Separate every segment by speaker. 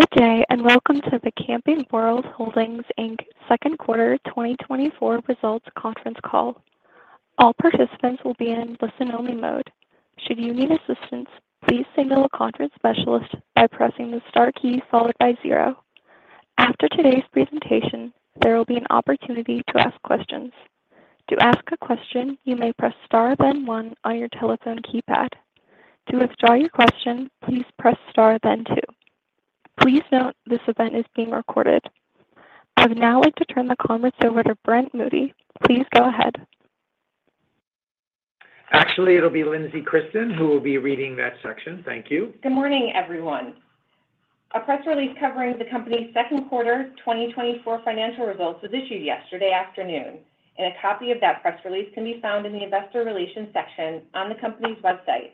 Speaker 1: Good day and welcome to the Camping World Holdings Inc Second Quarter 2024 Results Conference Call. All participants will be in listen-only mode. Should you need assistance, please dial a conference specialist by pressing the star key followed by zero. After today's presentation, there will be an opportunity to ask questions. To ask a question, you may press star then one on your telephone keypad. To withdraw your question, please press star then two. Please note this event is being recorded. I would now like to turn the conference over to Brent Moody. Please go ahead.
Speaker 2: Actually, it'll be Lindsey Christen who will be reading that section. Thank you.
Speaker 3: Good morning, everyone. A press release covering the company's second quarter 2024 financial results was issued yesterday afternoon, and a copy of that press release can be found in the investor relations section on the company's website.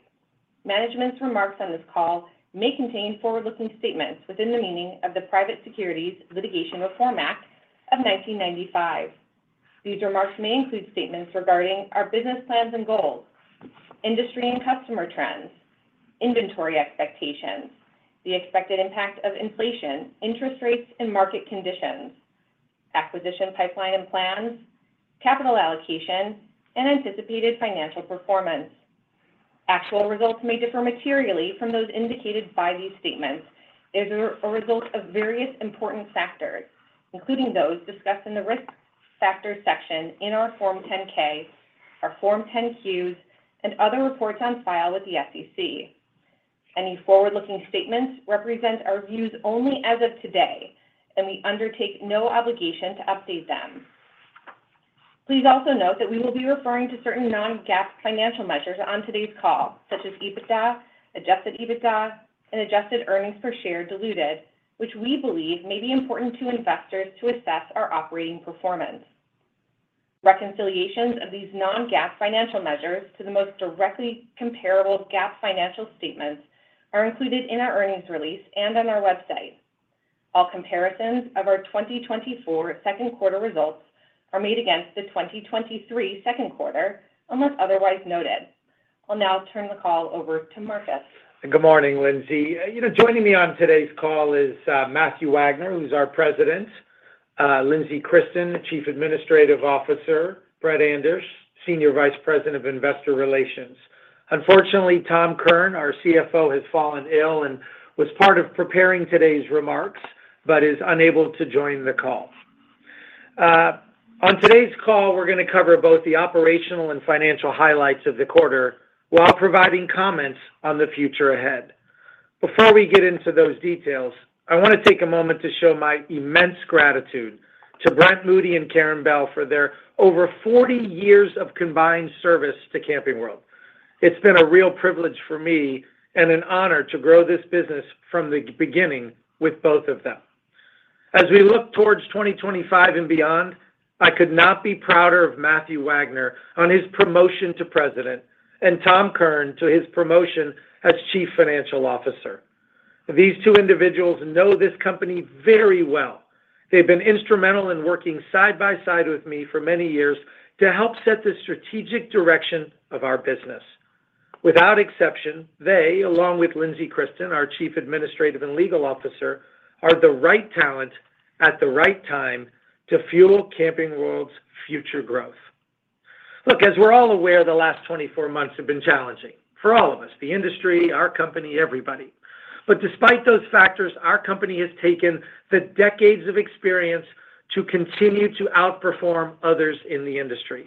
Speaker 3: Management's remarks on this call may contain forward-looking statements within the meaning of the Private Securities Litigation Reform Act of 1995. These remarks may include statements regarding our business plans and goals, industry and customer trends, inventory expectations, the expected impact of inflation, interest rates, and market conditions, acquisition pipeline and plans, capital allocation, and anticipated financial performance. Actual results may differ materially from those indicated by these statements as a result of various important factors, including those discussed in the risk factor section in our Form 10-K, our Form 10-Qs, and other reports on file with the SEC. Any forward-looking statements represent our views only as of today, and we undertake no obligation to update them. Please also note that we will be referring to certain non-GAAP financial measures on today's call, such as EBITDA, adjusted EBITDA, and adjusted earnings per share diluted, which we believe may be important to investors to assess our operating performance. Reconciliations of these non-GAAP financial measures to the most directly comparable GAAP financial statements are included in our earnings release and on our website. All comparisons of our 2024 second quarter results are made against the 2023 second quarter unless otherwise noted. I'll now turn the call over to Marcus.
Speaker 4: Good morning, Lindsey. Joining me on today's call is Matthew Wagner, who's our President, Lindsey Christen, Chief Administrative Officer, Brett Andress, Senior Vice President of Investor Relations. Unfortunately, Tom Kirn, our CFO, has fallen ill and was part of preparing today's remarks but is unable to join the call. On today's call, we're going to cover both the operational and financial highlights of the quarter while providing comments on the future ahead. Before we get into those details, I want to take a moment to show my immense gratitude to Brent Moody and Karen Bell for their over 40 years of combined service to Camping World. It's been a real privilege for me and an honor to grow this business from the beginning with both of them. As we look towards 2025 and beyond, I could not be prouder of Matthew Wagner on his promotion to President and Tom Kirn to his promotion as Chief Financial Officer. These two individuals know this company very well. They've been instrumental in working side by side with me for many years to help set the strategic direction of our business. Without exception, they, along with Lindsey Christen, our Chief Administrative and Legal Officer, are the right talent at the right time to fuel Camping World's future growth. Look, as we're all aware, the last 24 months have been challenging for all of us: the industry, our company, everybody. But despite those factors, our company has taken the decades of experience to continue to outperform others in the industry.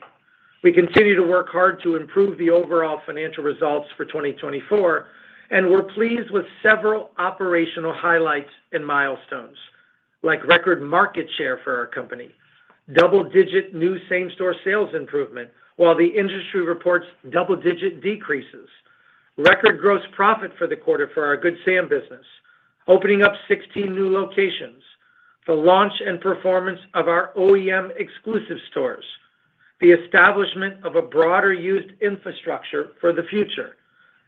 Speaker 4: We continue to work hard to improve the overall financial results for 2024, and we're pleased with several operational highlights and milestones, like record market share for our company, double-digit new same-store sales improvement while the industry reports double-digit decreases, record gross profit for the quarter for our Good Sam business, opening up 16 new locations, the launch and performance of our OEM exclusive stores, the establishment of a broader used infrastructure for the future,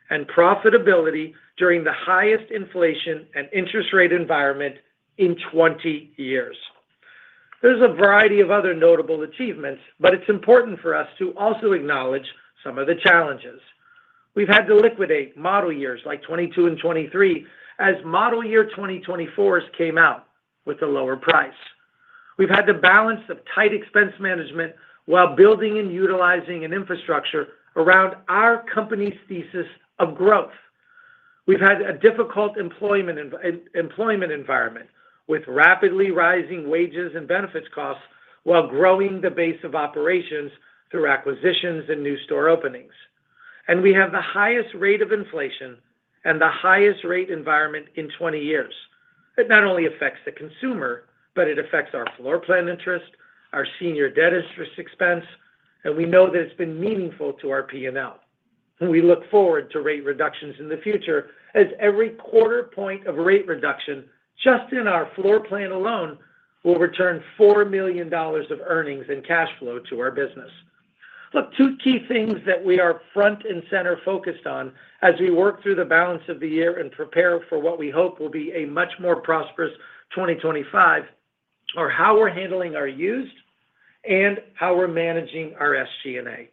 Speaker 4: and profitability during the highest inflation and interest rate environment in 20 years. There's a variety of other notable achievements, but it's important for us to also acknowledge some of the challenges. We've had to liquidate model years like 2022 and 2023 as model year 2024s came out with a lower price. We've had to balance the tight expense management while building and utilizing an infrastructure around our company's thesis of growth. We've had a difficult employment environment with rapidly rising wages and benefits costs while growing the base of operations through acquisitions and new store openings. We have the highest rate of inflation and the highest rate environment in 20 years. It not only affects the consumer, but it affects our floor plan interest, our senior debt interest expense, and we know that it's been meaningful to our P&L. We look forward to rate reductions in the future as every quarter point of rate reduction just in our floor plan alone will return $4 million of earnings and cash flow to our business. Look, two key things that we are front and center focused on as we work through the balance of the year and prepare for what we hope will be a much more prosperous 2025 are how we're handling our used and how we're managing our SG&A.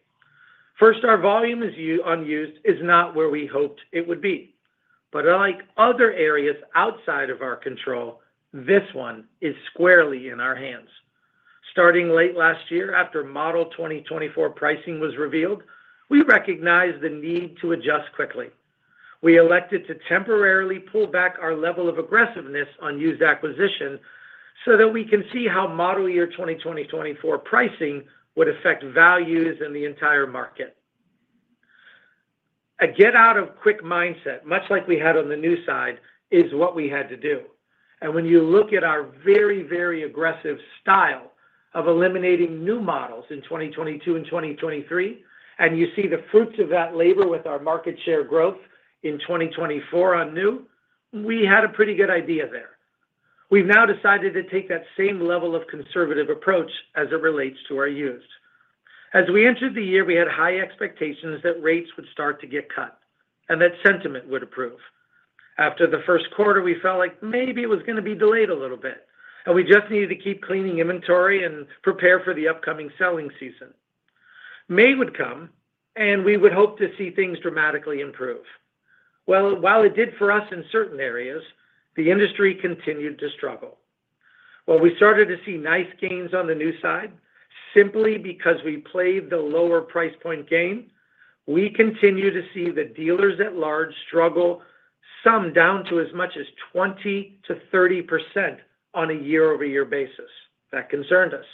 Speaker 4: First, our used volume is not where we hoped it would be. But unlike other areas outside of our control, this one is squarely in our hands. Starting late last year after model 2024 pricing was revealed, we recognized the need to adjust quickly. We elected to temporarily pull back our level of aggressiveness on used acquisition so that we can see how model year 2024 pricing would affect values in the entire market. A get-out-quick mindset, much like we had on the new side, is what we had to do. And when you look at our very, very aggressive style of eliminating new models in 2022 and 2023, and you see the fruits of that labor with our market share growth in 2024 on new, we had a pretty good idea there. We've now decided to take that same level of conservative approach as it relates to our used. As we entered the year, we had high expectations that rates would start to get cut and that sentiment would improve. After the first quarter, we felt like maybe it was going to be delayed a little bit, and we just needed to keep cleaning inventory and prepare for the upcoming selling season. May would come, and we would hope to see things dramatically improve. Well, while it did for us in certain areas, the industry continued to struggle. Well, we started to see nice gains on the new side simply because we played the lower price point game. We continue to see the dealers at large struggle some down to as much as 20%-30% on a year-over-year basis. That concerned us.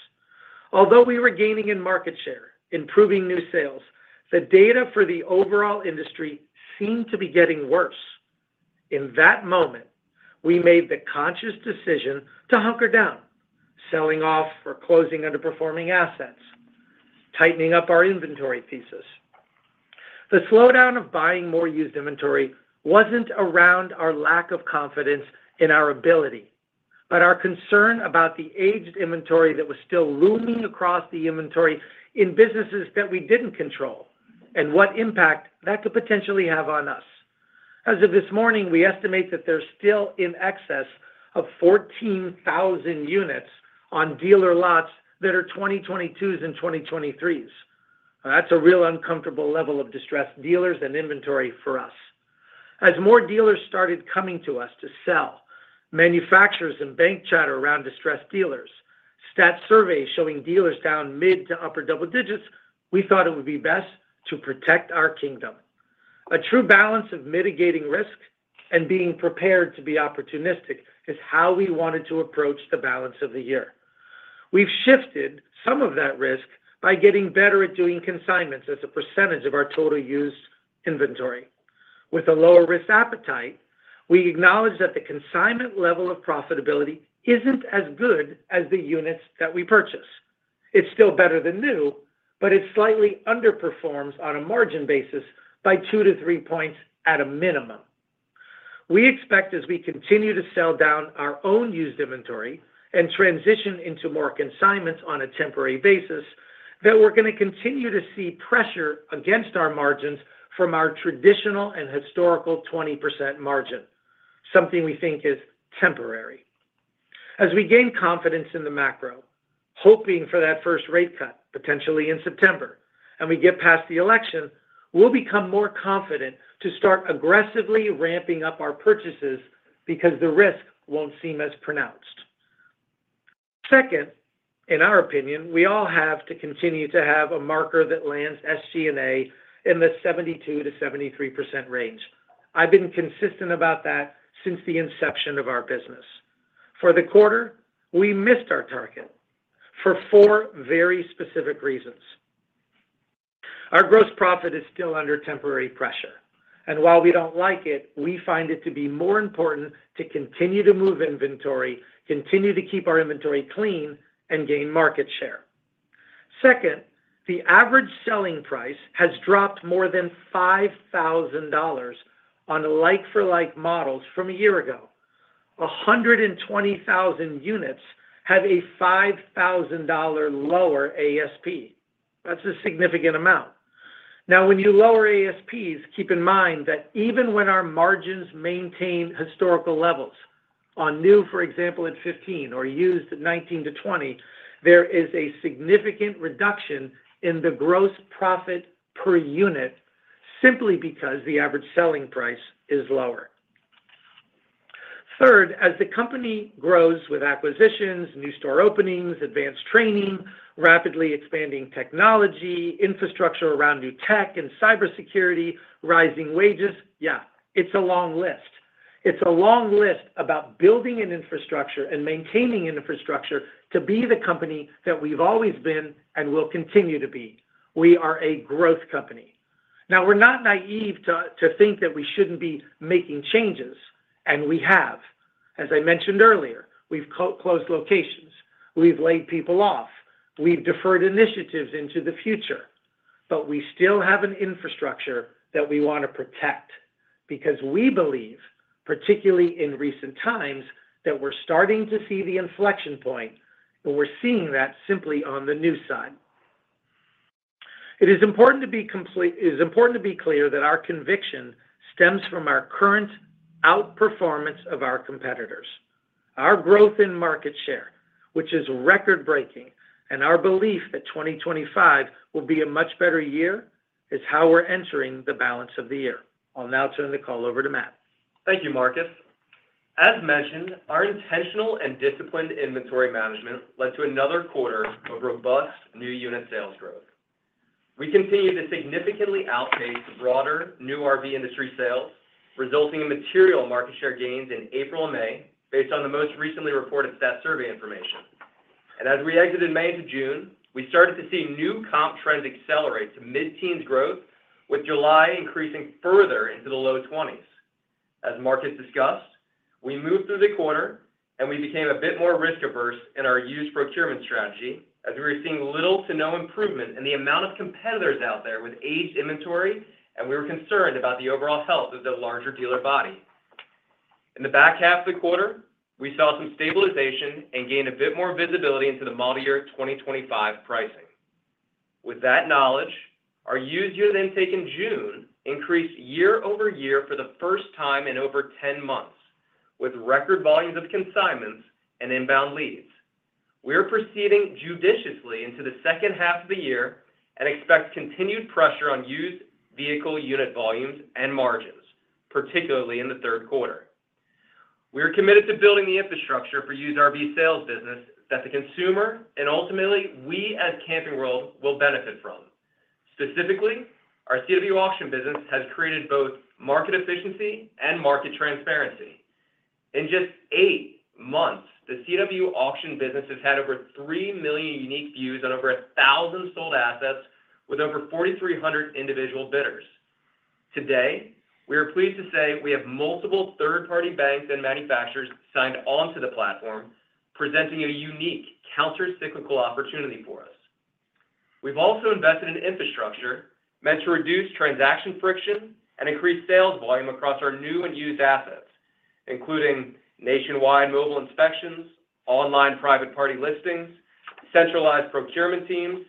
Speaker 4: Although we were gaining in market share, improving new sales, the data for the overall industry seemed to be getting worse. In that moment, we made the conscious decision to hunker down, selling off or closing underperforming assets, tightening up our inventory thesis. The slowdown of buying more used inventory wasn't around our lack of confidence in our ability, but our concern about the aged inventory that was still looming across the inventory in businesses that we didn't control and what impact that could potentially have on us. As of this morning, we estimate that there's still in excess of 14,000 units on dealer lots that are 2022s and 2023s. That's a real uncomfortable level of distressed dealers and inventory for us. As more dealers started coming to us to sell, manufacturers and bank chatter around distressed dealers, stats surveys showing dealers down mid to upper double digits, we thought it would be best to protect our kingdom. A true balance of mitigating risk and being prepared to be opportunistic is how we wanted to approach the balance of the year. We've shifted some of that risk by getting better at doing consignments as a percentage of our total used inventory. With a lower risk appetite, we acknowledge that the consignment level of profitability isn't as good as the units that we purchase. It's still better than new, but it slightly underperforms on a margin basis by 2-3 points at a minimum. We expect as we continue to sell down our own used inventory and transition into more consignments on a temporary basis that we're going to continue to see pressure against our margins from our traditional and historical 20% margin, something we think is temporary. As we gain confidence in the macro, hoping for that first rate cut potentially in September, and we get past the election, we'll become more confident to start aggressively ramping up our purchases because the risk won't seem as pronounced. Second, in our opinion, we all have to continue to have a marker that lands SG&A in the 72%-73% range. I've been consistent about that since the inception of our business. For the quarter, we missed our target for four very specific reasons. Our gross profit is still under temporary pressure, and while we don't like it, we find it to be more important to continue to move inventory, continue to keep our inventory clean, and gain market share. Second, the average selling price has dropped more than $5,000 on like-for-like models from a year ago. 120,000 units have a $5,000 lower ASP. That's a significant amount. Now, when you lower ASPs, keep in mind that even when our margins maintain historical levels on new, for example, at 15 or used at 19-20, there is a significant reduction in the gross profit per unit simply because the average selling price is lower. Third, as the company grows with acquisitions, new store openings, advanced training, rapidly expanding technology, infrastructure around new tech and cybersecurity, rising wages, yeah, it's a long list. It's a long list about building an infrastructure and maintaining infrastructure to be the company that we've always been and will continue to be. We are a growth company. Now, we're not naive to think that we shouldn't be making changes, and we have. As I mentioned earlier, we've closed locations. We've laid people off. We've deferred initiatives into the future. But we still have an infrastructure that we want to protect because we believe, particularly in recent times, that we're starting to see the inflection point, and we're seeing that simply on the new side. It is important to be clear that our conviction stems from our current outperformance of our competitors. Our growth in market share, which is record-breaking, and our belief that 2025 will be a much better year is how we're entering the balance of the year. I'll now turn the call over to Matt.
Speaker 5: Thank you, Marcus. As mentioned, our intentional and disciplined inventory management led to another quarter of robust new unit sales growth. We continue to significantly outpace broader new RV industry sales, resulting in material market share gains in April and May based on the most recently reported stats survey information. As we exited May to June, we started to see new comp trends accelerate to mid-teens growth, with July increasing further into the low 20s. As Marcus discussed, we moved through the quarter, and we became a bit more risk-averse in our used procurement strategy as we were seeing little to no improvement in the amount of competitors out there with aged inventory, and we were concerned about the overall health of the larger dealer body. In the back half of the quarter, we saw some stabilization and gained a bit more visibility into the model year 2025 pricing. With that knowledge, our used unit intake in June increased year-over-year for the first time in over 10 months, with record volumes of consignments and inbound leads. We are proceeding judiciously into the second half of the year and expect continued pressure on used vehicle unit volumes and margins, particularly in the third quarter. We are committed to building the infrastructure for used RV sales business that the consumer and ultimately we as Camping World will benefit from. Specifically, our CW Auction business has created both market efficiency and market transparency. In just eight months, the CW auction business has had over three million unique views on over 1,000 sold assets with over 4,300 individual bidders. Today, we are pleased to say we have multiple third-party banks and manufacturers signed onto the platform, presenting a unique countercyclical opportunity for us. We've also invested in infrastructure meant to reduce transaction friction and increase sales volume across our new and used assets, including nationwide mobile inspections, online private-party listings, centralized procurement teams,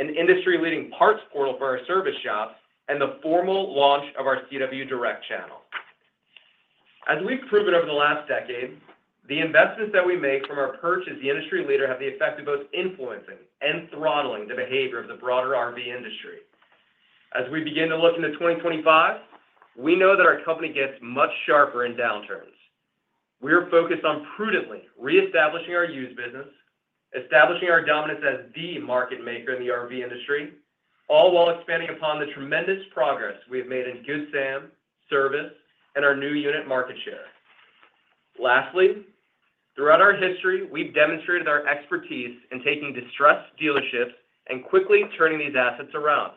Speaker 5: an industry-leading parts portal for our service shops, and the formal launch of our CW Direct channel. As we've proven over the last decade, the investments that we make from our purchase industry leader have the effect of both influencing and throttling the behavior of the broader RV industry. As we begin to look into 2025, we know that our company gets much sharper in downturns. We are focused on prudently reestablishing our used business, establishing our dominance as the market maker in the RV industry, all while expanding upon the tremendous progress we have made in Good Sam, service, and our new unit market share. Lastly, throughout our history, we've demonstrated our expertise in taking distressed dealerships and quickly turning these assets around,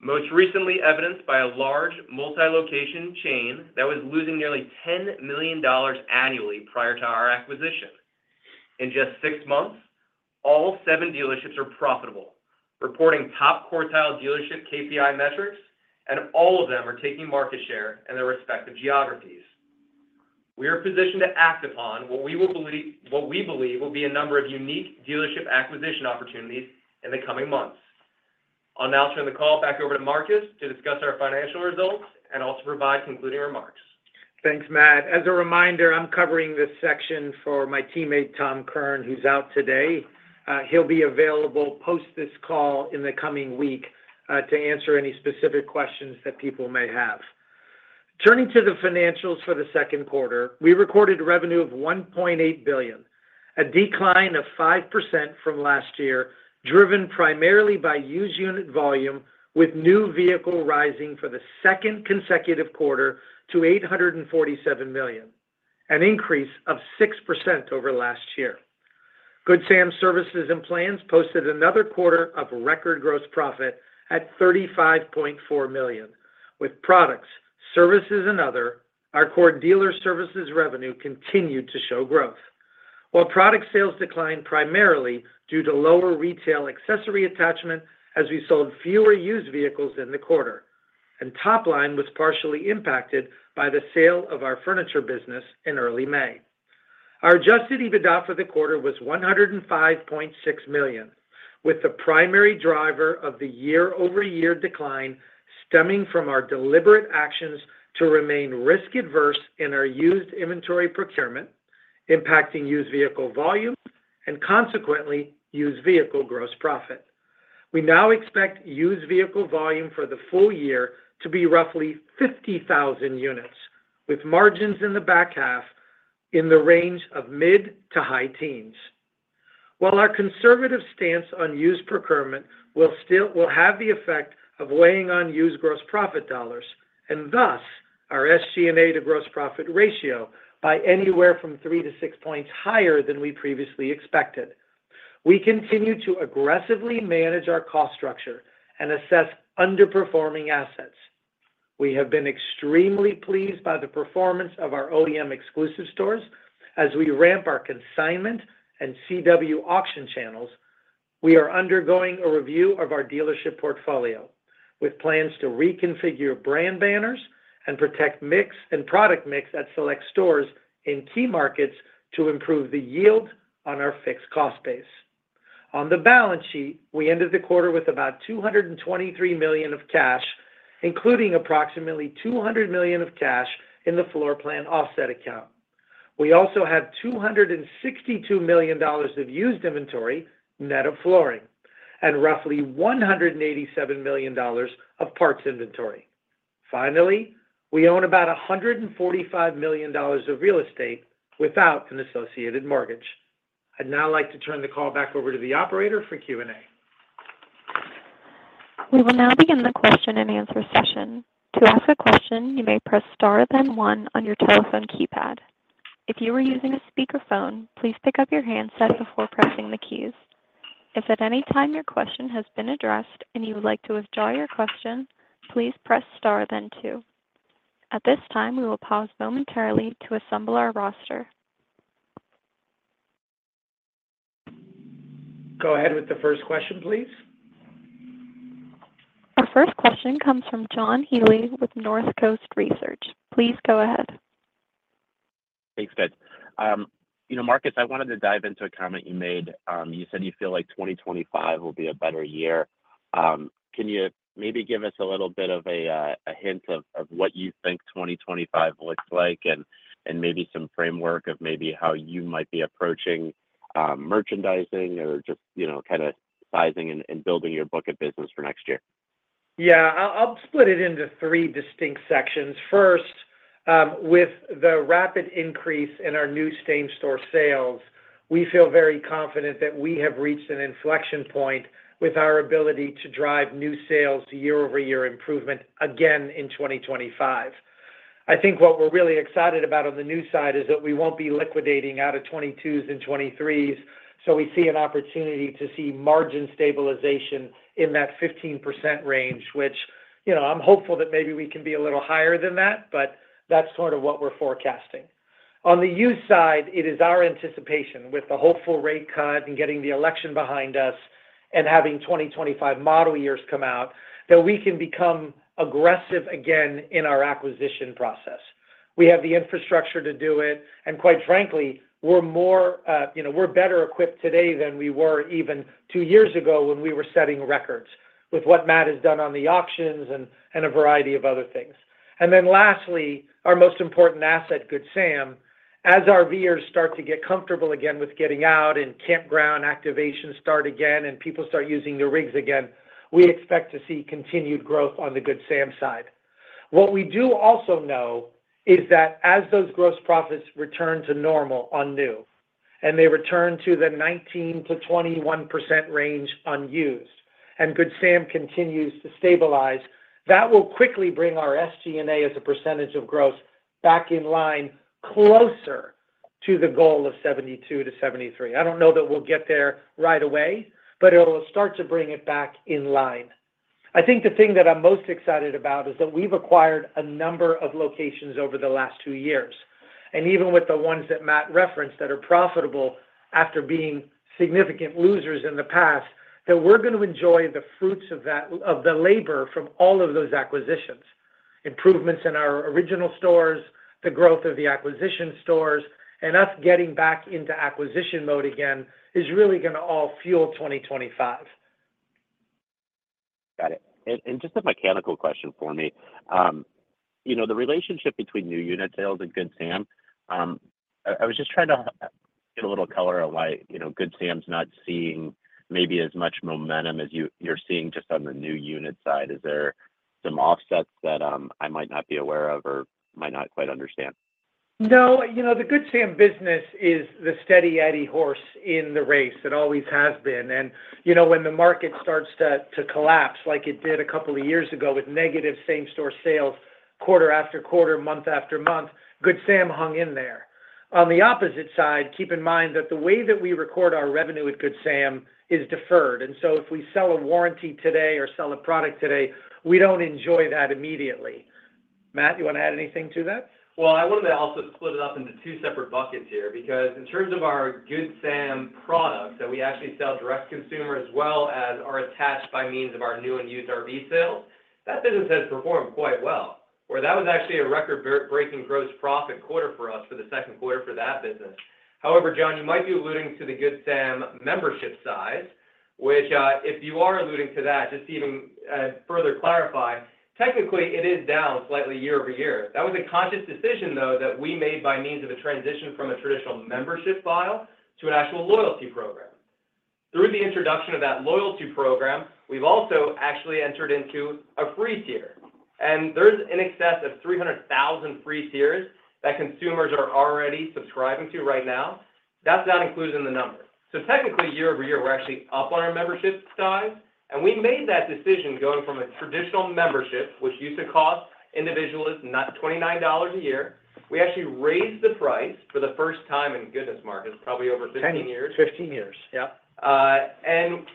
Speaker 5: most recently evidenced by a large multi-location chain that was losing nearly $10 million annually prior to our acquisition. In just six months, all seven dealerships are profitable, reporting top quartile dealership KPI metrics, and all of them are taking market share in their respective geographies. We are positioned to act upon what we believe will be a number of unique dealership acquisition opportunities in the coming months. I'll now turn the call back over to Marcus to discuss our financial results and also provide concluding remarks.
Speaker 4: Thanks, Matt. As a reminder, I'm covering this section for my teammate, Tom Kirn, who's out today. He'll be available post this call in the coming week to answer any specific questions that people may have. Turning to the financials for the second quarter, we recorded revenue of $1.8 billion, a decline of 5% from last year, driven primarily by used unit volume, with new vehicle rising for the second consecutive quarter to $847 million, an increase of 6% over last year. Good Sam Services and Plans posted another quarter of record gross profit at $35.4 million. With Products, Services and Other, our core dealer services revenue continued to show growth, while product sales declined primarily due to lower retail accessory attachment as we sold fewer used vehicles in the quarter, and top line was partially impacted by the sale of our furniture business in early May. Our adjusted EBITDA for the quarter was $105.6 million, with the primary driver of the year-over-year decline stemming from our deliberate actions to remain risk-averse in our used inventory procurement, impacting used vehicle volume, and consequently, used vehicle gross profit. We now expect used vehicle volume for the full year to be roughly 50,000 units, with margins in the back half in the range of mid to high teens. While our conservative stance on used procurement will have the effect of weighing on used gross profit dollars and thus our SG&A to gross profit ratio by anywhere from 3-6 points higher than we previously expected, we continue to aggressively manage our cost structure and assess underperforming assets. We have been extremely pleased by the performance of our OEM exclusive stores as we ramp our consignment and CW auction channels. We are undergoing a review of our dealership portfolio with plans to reconfigure brand banners and protect mix and product mix at select stores in key markets to improve the yield on our fixed cost base. On the balance sheet, we ended the quarter with about $223 million of cash, including approximately $200 million of cash in the floor plan offset account. We also have $262 million of used inventory net of flooring and roughly $187 million of parts inventory. Finally, we own about $145 million of real estate without an associated mortgage. I'd now like to turn the call back over to the operator for Q&A.
Speaker 1: We will now begin the question and answer session. To ask a question, you may press star then one on your telephone keypad. If you are using a speakerphone, please pick up your handset before pressing the keys. If at any time your question has been addressed and you would like to withdraw your question, please press star then two. At this time, we will pause momentarily to assemble our roster.
Speaker 4: Go ahead with the first question, please.
Speaker 1: Our first question comes from John Healy with North Coast Research. Please go ahead.
Speaker 6: Thanks, Beth. Marcus, I wanted to dive into a comment you made. You said you feel like 2025 will be a better year. Can you maybe give us a little bit of a hint of what you think 2025 looks like and maybe some framework of maybe how you might be approaching merchandising or just kind of sizing and building your book of business for next year?
Speaker 4: Yeah. I'll split it into three distinct sections. First, with the rapid increase in our new same-store sales, we feel very confident that we have reached an inflection point with our ability to drive new sales year-over-year improvement again in 2025. I think what we're really excited about on the new side is that we won't be liquidating out of 2022s and 2023s, so we see an opportunity to see margin stabilization in that 15% range, which I'm hopeful that maybe we can be a little higher than that, but that's sort of what we're forecasting. On the used side, it is our anticipation with the hopeful rate cut and getting the election behind us and having 2025 model years come out that we can become aggressive again in our acquisition process. We have the infrastructure to do it, and quite frankly, we're better equipped today than we were even two years ago when we were setting records with what Matt has done on the auctions and a variety of other things. And then lastly, our most important asset, Good Sam, as our viewers start to get comfortable again with getting out and campground activations start again and people start using the rigs again, we expect to see continued growth on the Good Sam side. What we do also know is that as those gross profits return to normal on new and they return to the 19%-21% range on used and Good Sam continues to stabilize, that will quickly bring our SG&A as a percentage of growth back in line closer to the goal of 72-73. I don't know that we'll get there right away, but it'll start to bring it back in line. I think the thing that I'm most excited about is that we've acquired a number of locations over the last two years, and even with the ones that Matt referenced that are profitable after being significant losers in the past, that we're going to enjoy the fruits of the labor from all of those acquisitions, improvements in our original stores, the growth of the acquisition stores, and us getting back into acquisition mode again is really going to all fuel 2025.
Speaker 6: Got it. Just a mechanical question for me. The relationship between new unit sales and Good Sam, I was just trying to get a little color on why Good Sam's not seeing maybe as much momentum as you're seeing just on the new unit side. Is there some offsets that I might not be aware of or might not quite understand?
Speaker 4: No. The Good Sam business is the steady eddy horse in the race. It always has been. And when the market starts to collapse like it did a couple of years ago with negative same-store sales quarter after quarter, month after month, Good Sam hung in there. On the opposite side, keep in mind that the way that we record our revenue at Good Sam is deferred. And so if we sell a warranty today or sell a product today, we don't enjoy that immediately. Matt, you want to add anything to that?
Speaker 5: Well, I wanted to also split it up into two separate buckets here because in terms of our Good Sam products that we actually sell direct to consumer as well as are attached by means of our new and used RV sales, that business has performed quite well, where that was actually a record-breaking gross profit quarter for us for the second quarter for that business. However, John, you might be alluding to the Good Sam membership size, which if you are alluding to that, just even further clarify, technically it is down slightly year-over-year. That was a conscious decision, though, that we made by means of a transition from a traditional membership file to an actual loyalty program. Through the introduction of that loyalty program, we've also actually entered into a free tier. There's in excess of 300,000 free tiers that consumers are already subscribing to right now. That's not included in the number. So technically, year-over-year, we're actually up on our membership size. We made that decision going from a traditional membership, which used to cost individually, not $29 a year. We actually raised the price for the first time in goodness, Marcus, probably over 15 years.
Speaker 4: 10 years.
Speaker 5: Yeah.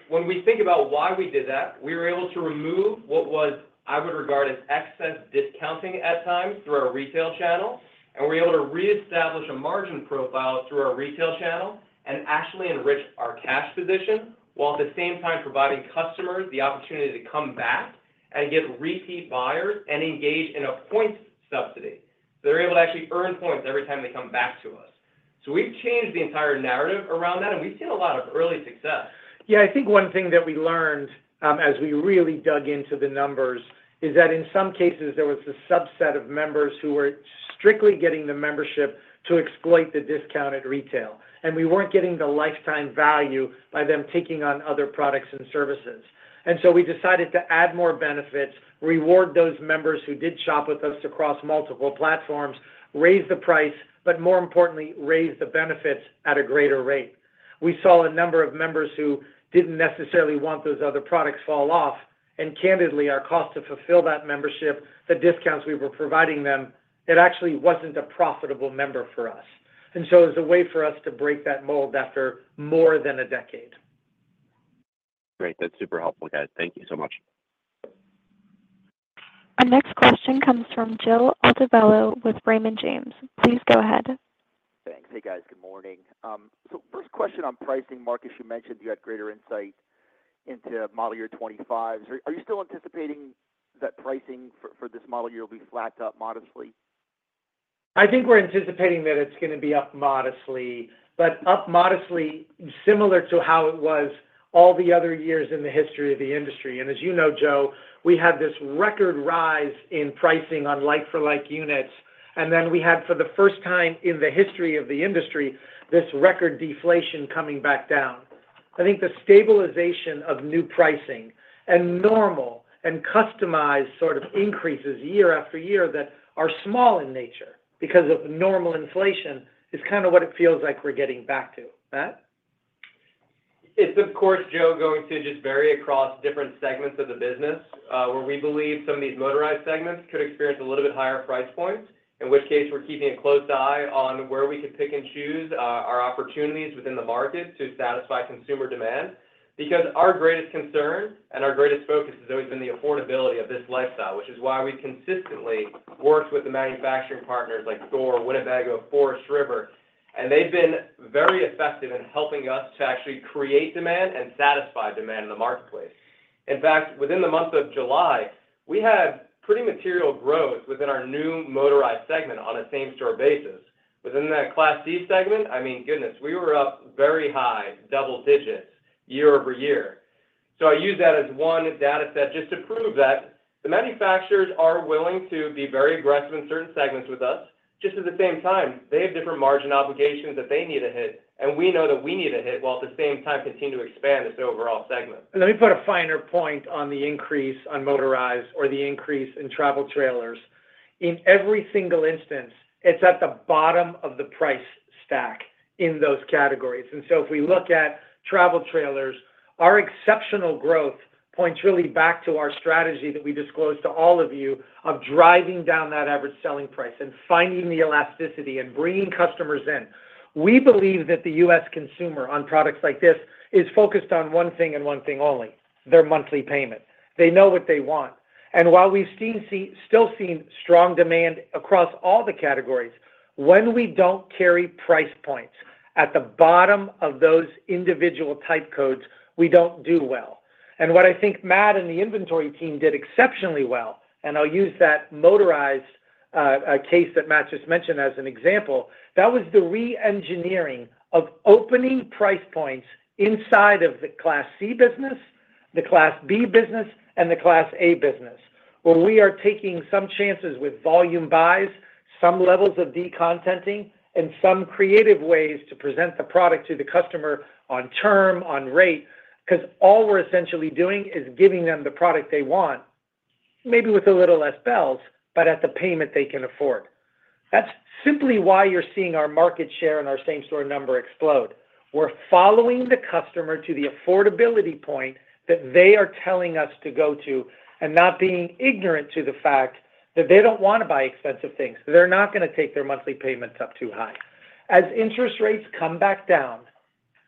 Speaker 5: When we think about why we did that, we were able to remove what was, I would regard as excess discounting at times through our retail channel, and we're able to reestablish a margin profile through our retail channel and actually enrich our cash position while at the same time providing customers the opportunity to come back and get repeat buyers and engage in a points subsidy. So they're able to actually earn points every time they come back to us. So we've changed the entire narrative around that, and we've seen a lot of early success.
Speaker 4: Yeah. I think one thing that we learned as we really dug into the numbers is that in some cases, there was a subset of members who were strictly getting the membership to exploit the discounted retail, and we weren't getting the lifetime value by them taking on other products and services. So we decided to add more benefits, reward those members who did shop with us across multiple platforms, raise the price, but more importantly, raise the benefits at a greater rate. We saw a number of members who didn't necessarily want those other products fall off, and candidly, our cost to fulfill that membership, the discounts we were providing them, it actually wasn't a profitable member for us. So it was a way for us to break that mold after more than a decade.
Speaker 6: Great. That's super helpful, guys. Thank you so much.
Speaker 1: Our next question comes from Joseph Altobello with Raymond James. Please go ahead.
Speaker 7: Thanks. Hey, guys. Good morning. So first question on pricing, Marcus, you mentioned you had greater insight into model year 2025. Are you still anticipating that pricing for this model year will be flat up modestly?
Speaker 4: I think we're anticipating that it's going to be up modestly, but up modestly similar to how it was all the other years in the history of the industry. And as you know, Joe, we had this record rise in pricing on like-for-like units, and then we had, for the first time in the history of the industry, this record deflation coming back down. I think the stabilization of new pricing and normal and customized sort of increases year after year that are small in nature because of normal inflation is kind of what it feels like we're getting back to. Matt?
Speaker 5: It's, of course, Joe, going to just vary across different segments of the business where we believe some of these motorized segments could experience a little bit higher price points, in which case we're keeping a close eye on where we could pick and choose our opportunities within the market to satisfy consumer demand because our greatest concern and our greatest focus has always been the affordability of this lifestyle, which is why we consistently worked with the manufacturing partners like Thor, Winnebago, Forest River, and they've been very effective in helping us to actually create demand and satisfy demand in the marketplace. In fact, within the month of July, we had pretty material growth within our new motorized segment on a same-store basis. Within that Class C segment, I mean, goodness, we were up very high, double digits, year-over-year. I use that as one data set just to prove that the manufacturers are willing to be very aggressive in certain segments with us. Just at the same time, they have different margin obligations that they need to hit, and we know that we need to hit while at the same time continue to expand this overall segment.
Speaker 4: Let me put a finer point on the increase on motorized or the increase in travel trailers. In every single instance, it's at the bottom of the price stack in those categories. And so if we look at travel trailers, our exceptional growth points really back to our strategy that we disclosed to all of you of driving down that average selling price and finding the elasticity and bringing customers in. We believe that the U.S. consumer on products like this is focused on one thing and one thing only, their monthly payment. They know what they want. And while we've still seen strong demand across all the categories, when we don't carry price points at the bottom of those individual type codes, we don't do well. What I think Matt and the inventory team did exceptionally well, and I'll use that motorized case that Matt just mentioned as an example, that was the re-engineering of opening price points inside of the Class C business, the Class B business, and the Class A business, where we are taking some chances with volume buys, some levels of decontenting, and some creative ways to present the product to the customer on term, on rate, because all we're essentially doing is giving them the product they want, maybe with a little less bells, but at the payment they can afford. That's simply why you're seeing our market share and our same-store number explode. We're following the customer to the affordability point that they are telling us to go to and not being ignorant to the fact that they don't want to buy expensive things. They're not going to take their monthly payments up too high. As interest rates come back down,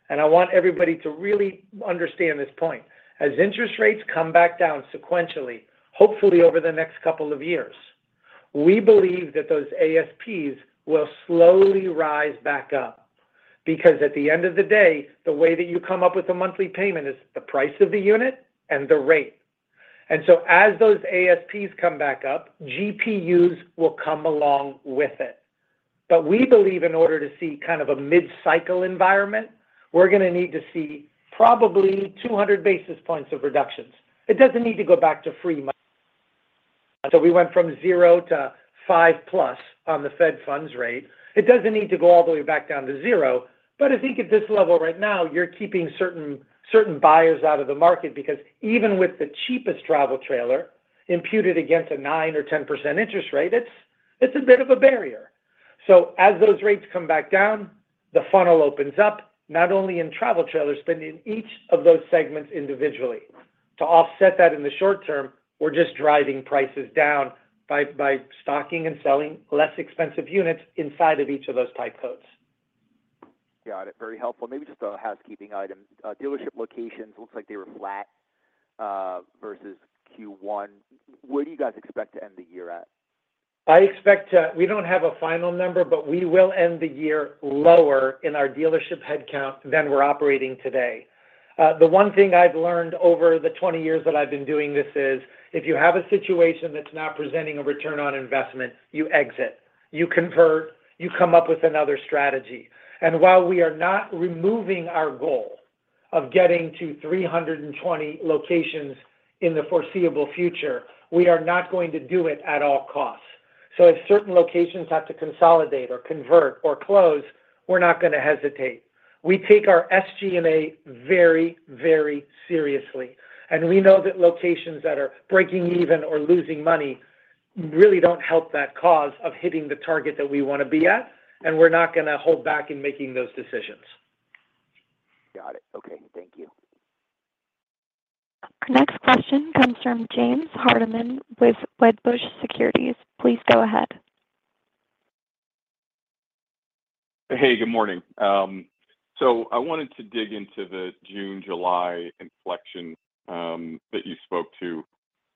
Speaker 4: and I want everybody to really understand this point, as interest rates come back down sequentially, hopefully over the next couple of years, we believe that those ASPs will slowly rise back up because at the end of the day, the way that you come up with a monthly payment is the price of the unit and the rate. And so as those ASPs come back up, GPUs will come along with it. But we believe in order to see kind of a mid-cycle environment, we're going to need to see probably 200 basis points of reductions. It doesn't need to go back to free. So we went from 0 to 5+ on the Fed funds rate. It doesn't need to go all the way back down to zero, but I think at this level right now, you're keeping certain buyers out of the market because even with the cheapest travel trailer imputed against a 9% or 10% interest rate, it's a bit of a barrier. So as those rates come back down, the funnel opens up, not only in travel trailers, but in each of those segments individually. To offset that in the short term, we're just driving prices down by stocking and selling less expensive units inside of each of those type codes.
Speaker 7: Got it. Very helpful. Maybe just a housekeeping item. Dealership locations looks like they were flat versus Q1. Where do you guys expect to end the year at?
Speaker 4: I expect to, we don't have a final number, but we will end the year lower in our dealership headcount than we're operating today. The one thing I've learned over the 20 years that I've been doing this is if you have a situation that's not presenting a return on investment, you exit. You convert. You come up with another strategy. And while we are not removing our goal of getting to 320 locations in the foreseeable future, we are not going to do it at all costs. So if certain locations have to consolidate or convert or close, we're not going to hesitate. We take our SG&A very, very seriously. And we know that locations that are breaking even or losing money really don't help that cause of hitting the target that we want to be at, and we're not going to hold back in making those decisions.
Speaker 7: Got it. Okay. Thank you.
Speaker 1: Next question comes from James Hardiman with Citigroup. Please go ahead.
Speaker 8: Hey, good morning. So I wanted to dig into the June, July inflection that you spoke to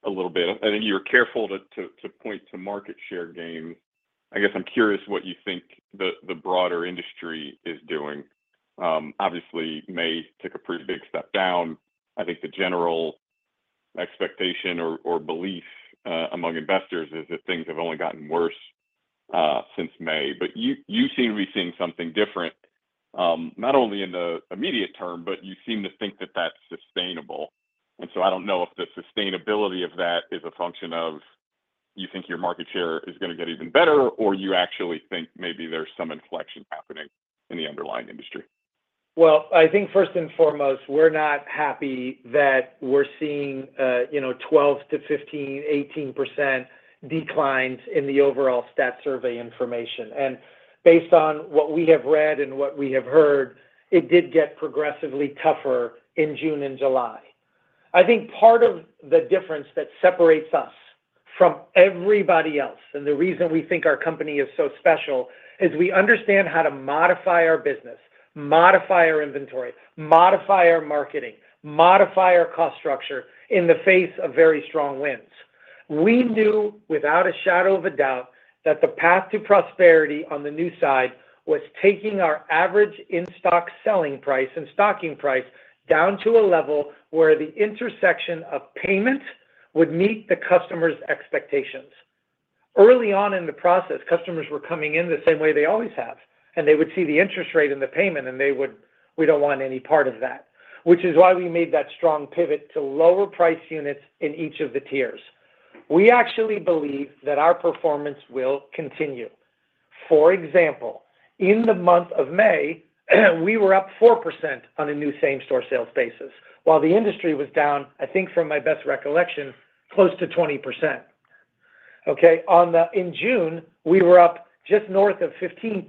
Speaker 8: a little bit. I think you're careful to point to market share gains. I guess I'm curious what you think the broader industry is doing. Obviously, May took a pretty big step down. I think the general expectation or belief among investors is that things have only gotten worse since May. But you seem to be seeing something different, not only in the immediate term, but you seem to think that that's sustainable. And so I don't know if the sustainability of that is a function of you think your market share is going to get even better, or you actually think maybe there's some inflection happening in the underlying industry.
Speaker 4: Well, I think first and foremost, we're not happy that we're seeing 12%-18% declines in the overall Stat Survey information. Based on what we have read and what we have heard, it did get progressively tougher in June and July. I think part of the difference that separates us from everybody else and the reason we think our company is so special is we understand how to modify our business, modify our inventory, modify our marketing, modify our cost structure in the face of very strong winds. We knew without a shadow of a doubt that the path to prosperity on the new side was taking our average in-stock selling price and stocking price down to a level where the intersection of payment would meet the customer's expectations. Early on in the process, customers were coming in the same way they always have, and they would see the interest rate and the payment, and they would, "We don't want any part of that," which is why we made that strong pivot to lower price units in each of the tiers. We actually believe that our performance will continue. For example, in the month of May, we were up 4% on a new same-store sales basis, while the industry was down, I think from my best recollection, close to 20%. Okay? In June, we were up just north of 15%.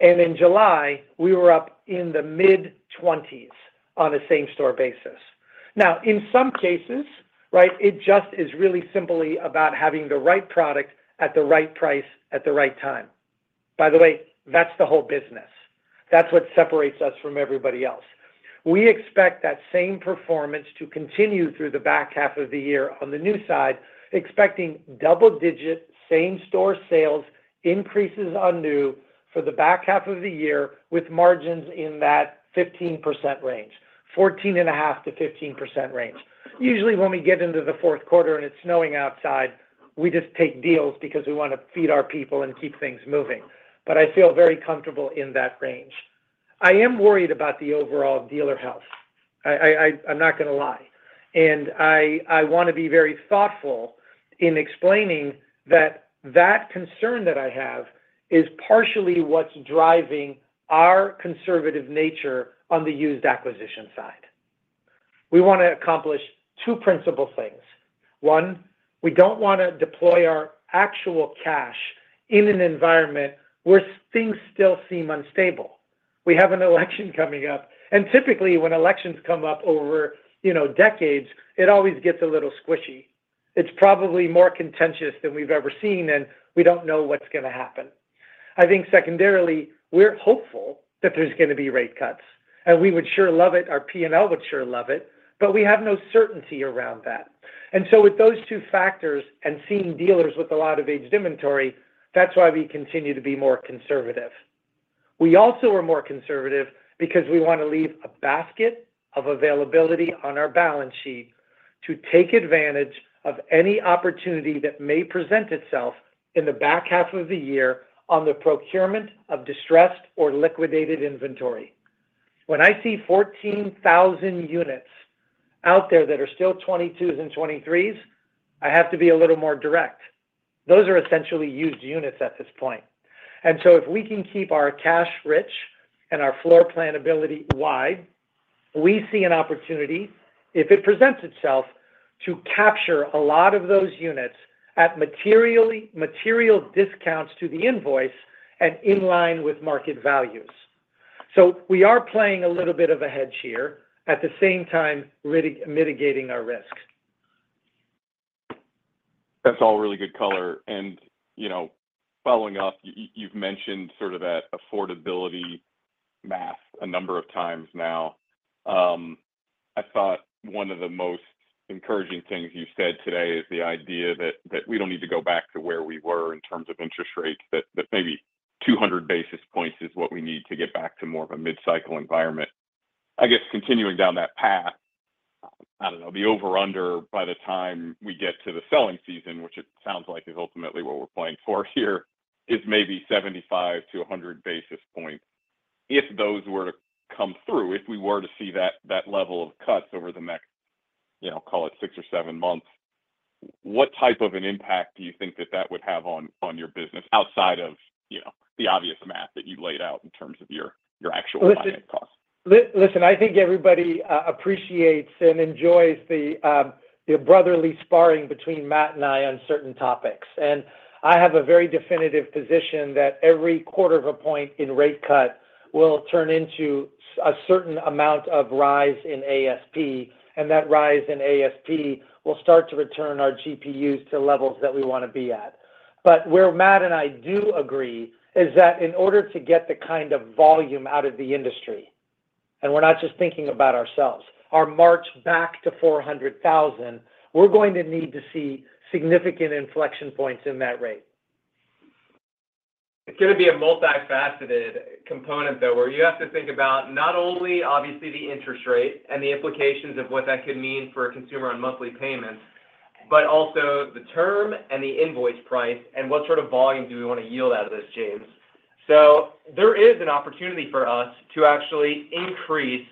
Speaker 4: In July, we were up in the mid-20s% on a same-store basis. Now, in some cases, right, it just is really simply about having the right product at the right price at the right time. By the way, that's the whole business. That's what separates us from everybody else. We expect that same performance to continue through the back half of the year on the new side, expecting double-digit same-store sales increases on new for the back half of the year with margins in that 15% range, 14.5%-15% range. Usually, when we get into the fourth quarter and it's snowing outside, we just take deals because we want to feed our people and keep things moving. But I feel very comfortable in that range. I am worried about the overall dealer health. I'm not going to lie. I want to be very thoughtful in explaining that that concern that I have is partially what's driving our conservative nature on the used acquisition side. We want to accomplish two principal things. One, we don't want to deploy our actual cash in an environment where things still seem unstable. We have an election coming up. Typically, when elections come up over decades, it always gets a little squishy. It's probably more contentious than we've ever seen, and we don't know what's going to happen. I think secondarily, we're hopeful that there's going to be rate cuts. We would sure love it. Our P&L would sure love it, but we have no certainty around that. With those two factors and seeing dealers with a lot of aged inventory, that's why we continue to be more conservative. We also are more conservative because we want to leave a basket of availability on our balance sheet to take advantage of any opportunity that may present itself in the back half of the year on the procurement of distressed or liquidated inventory. When I see 14,000 units out there that are still 2022s and 2023s, I have to be a little more direct. Those are essentially used units at this point. So if we can keep our cash rich and our floor plan ability wide, we see an opportunity, if it presents itself, to capture a lot of those units at material discounts to the invoice and in line with market values. We are playing a little bit of a hedge here at the same time mitigating our risk.
Speaker 8: That's all really good color. And following up, you've mentioned sort of that affordability math a number of times now. I thought one of the most encouraging things you said today is the idea that we don't need to go back to where we were in terms of interest rates, that maybe 200 basis points is what we need to get back to more of a mid-cycle environment. I guess continuing down that path, I don't know, the over/under, by the time we get to the selling season, which it sounds like is ultimately what we're playing for here, is maybe 75 to 100 basis points. If those were to come through, if we were to see that level of cuts over the next, I'll call it six or seven months, what type of an impact do you think that that would have on your business outside of the obvious math that you laid out in terms of your actual line of cost?
Speaker 4: Listen, I think everybody appreciates and enjoys the brotherly sparring between Matt and I on certain topics. And I have a very definitive position that every quarter of a point in rate cut will turn into a certain amount of rise in ASP, and that rise in ASP will start to return our GPUs to levels that we want to be at. But where Matt and I do agree is that in order to get the kind of volume out of the industry, and we're not just thinking about ourselves, our march back to 400,000, we're going to need to see significant inflection points in that rate.
Speaker 5: It's going to be a multifaceted component, though, where you have to think about not only, obviously, the interest rate and the implications of what that could mean for a consumer on monthly payments, but also the term and the invoice price and what sort of volume do we want to yield out of this, James. So there is an opportunity for us to actually increase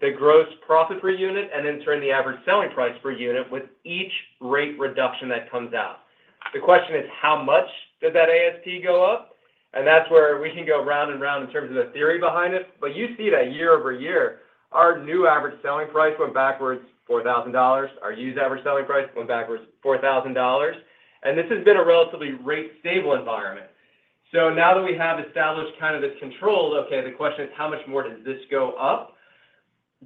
Speaker 5: the gross profit per unit and then turn the average selling price per unit with each rate reduction that comes out. The question is, how much does that ASP go up? And that's where we can go round and round in terms of the theory behind it. But you see that year-over-year, our new average selling price went backwards $4,000. Our used average selling price went backwards $4,000. And this has been a relatively rate-stable environment. So now that we have established kind of this control, okay, the question is, how much more does this go up?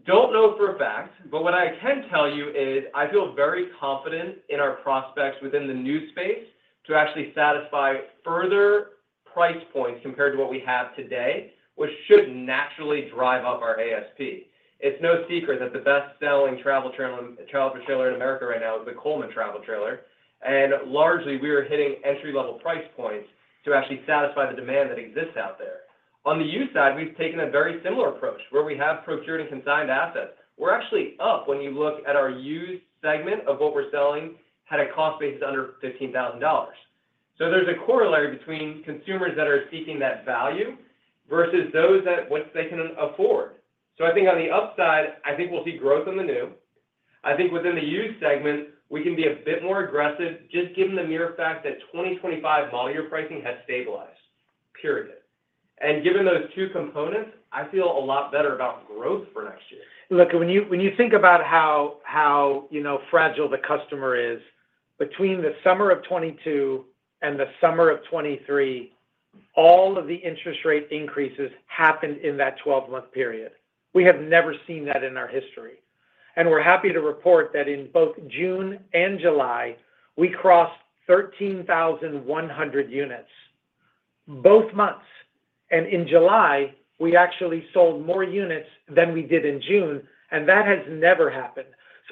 Speaker 5: Don't know for a fact, but what I can tell you is I feel very confident in our prospects within the new space to actually satisfy further price points compared to what we have today, which should naturally drive up our ASP. It's no secret that the best-selling travel trailer in America right now is the Coleman travel trailer. And largely, we are hitting entry-level price points to actually satisfy the demand that exists out there. On the used side, we've taken a very similar approach where we have procured and consigned assets. We're actually up when you look at our used segment of what we're selling at a cost basis under $15,000. So there's a corollary between consumers that are seeking that value versus those that what they can afford. So I think on the upside, I think we'll see growth on the new. I think within the used segment, we can be a bit more aggressive just given the mere fact that 2025 model year pricing has stabilized, period. And given those two components, I feel a lot better about growth for next year.
Speaker 4: Look, when you think about how fragile the customer is, between the summer of 2022 and the summer of 2023, all of the interest rate increases happened in that 12-month period. We have never seen that in our history. We're happy to report that in both June and July, we crossed 13,100 units both months. In July, we actually sold more units than we did in June, and that has never happened.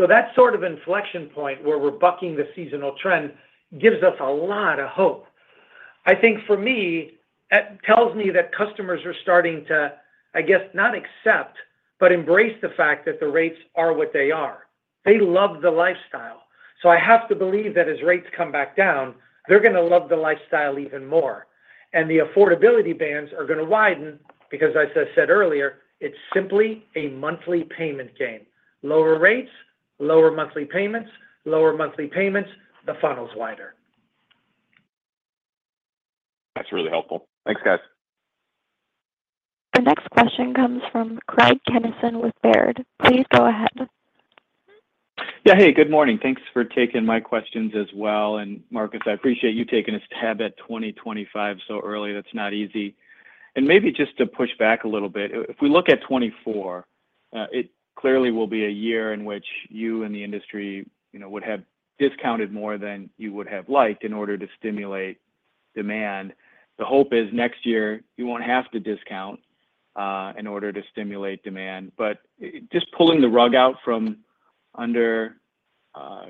Speaker 4: That sort of inflection point where we're bucking the seasonal trend gives us a lot of hope. I think for me, it tells me that customers are starting to, I guess, not accept, but embrace the fact that the rates are what they are. They love the lifestyle. I have to believe that as rates come back down, they're going to love the lifestyle even more. The affordability bands are going to widen because, as I said earlier, it's simply a monthly payment game. Lower rates, lower monthly payments, lower monthly payments, the funnel's wider.
Speaker 8: That's really helpful. Thanks, guys.
Speaker 1: The next question comes from Craig Kennison with Baird. Please go ahead.
Speaker 9: Yeah. Hey, good morning. Thanks for taking my questions as well. And Marcus, I appreciate you taking a stab at 2025 so early. That's not easy. And maybe just to push back a little bit, if we look at 2024, it clearly will be a year in which you and the industry would have discounted more than you would have liked in order to stimulate demand. The hope is next year you won't have to discount in order to stimulate demand. But just pulling the rug out from under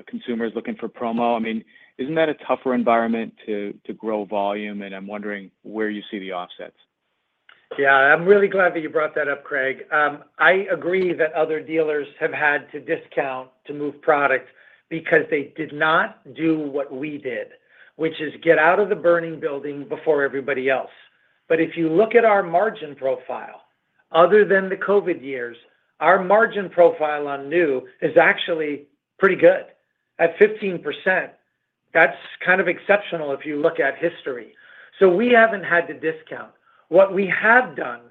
Speaker 9: consumers looking for promo, I mean, isn't that a tougher environment to grow volume? And I'm wondering where you see the offsets.
Speaker 4: Yeah. I'm really glad that you brought that up, Craig. I agree that other dealers have had to discount to move product because they did not do what we did, which is get out of the burning building before everybody else. But if you look at our margin profile, other than the COVID years, our margin profile on new is actually pretty good at 15%. That's kind of exceptional if you look at history. So we haven't had to discount. What we have done,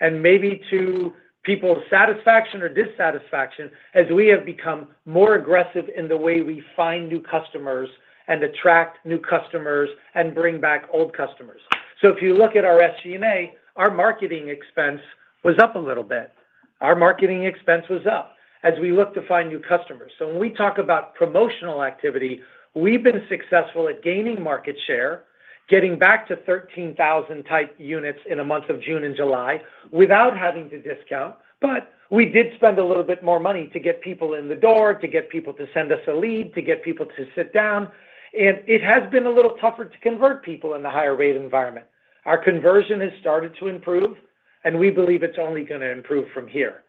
Speaker 4: and maybe to people's satisfaction or dissatisfaction, is we have become more aggressive in the way we find new customers and attract new customers and bring back old customers. So if you look at our SG&A, our marketing expense was up a little bit. Our marketing expense was up as we looked to find new customers. So when we talk about promotional activity, we've been successful at gaining market share, getting back to 13,000-type units in a month of June and July without having to discount. But we did spend a little bit more money to get people in the door, to get people to send us a lead, to get people to sit down. It has been a little tougher to convert people in the higher rate environment. Our conversion has started to improve, and we believe it's only going to improve from here.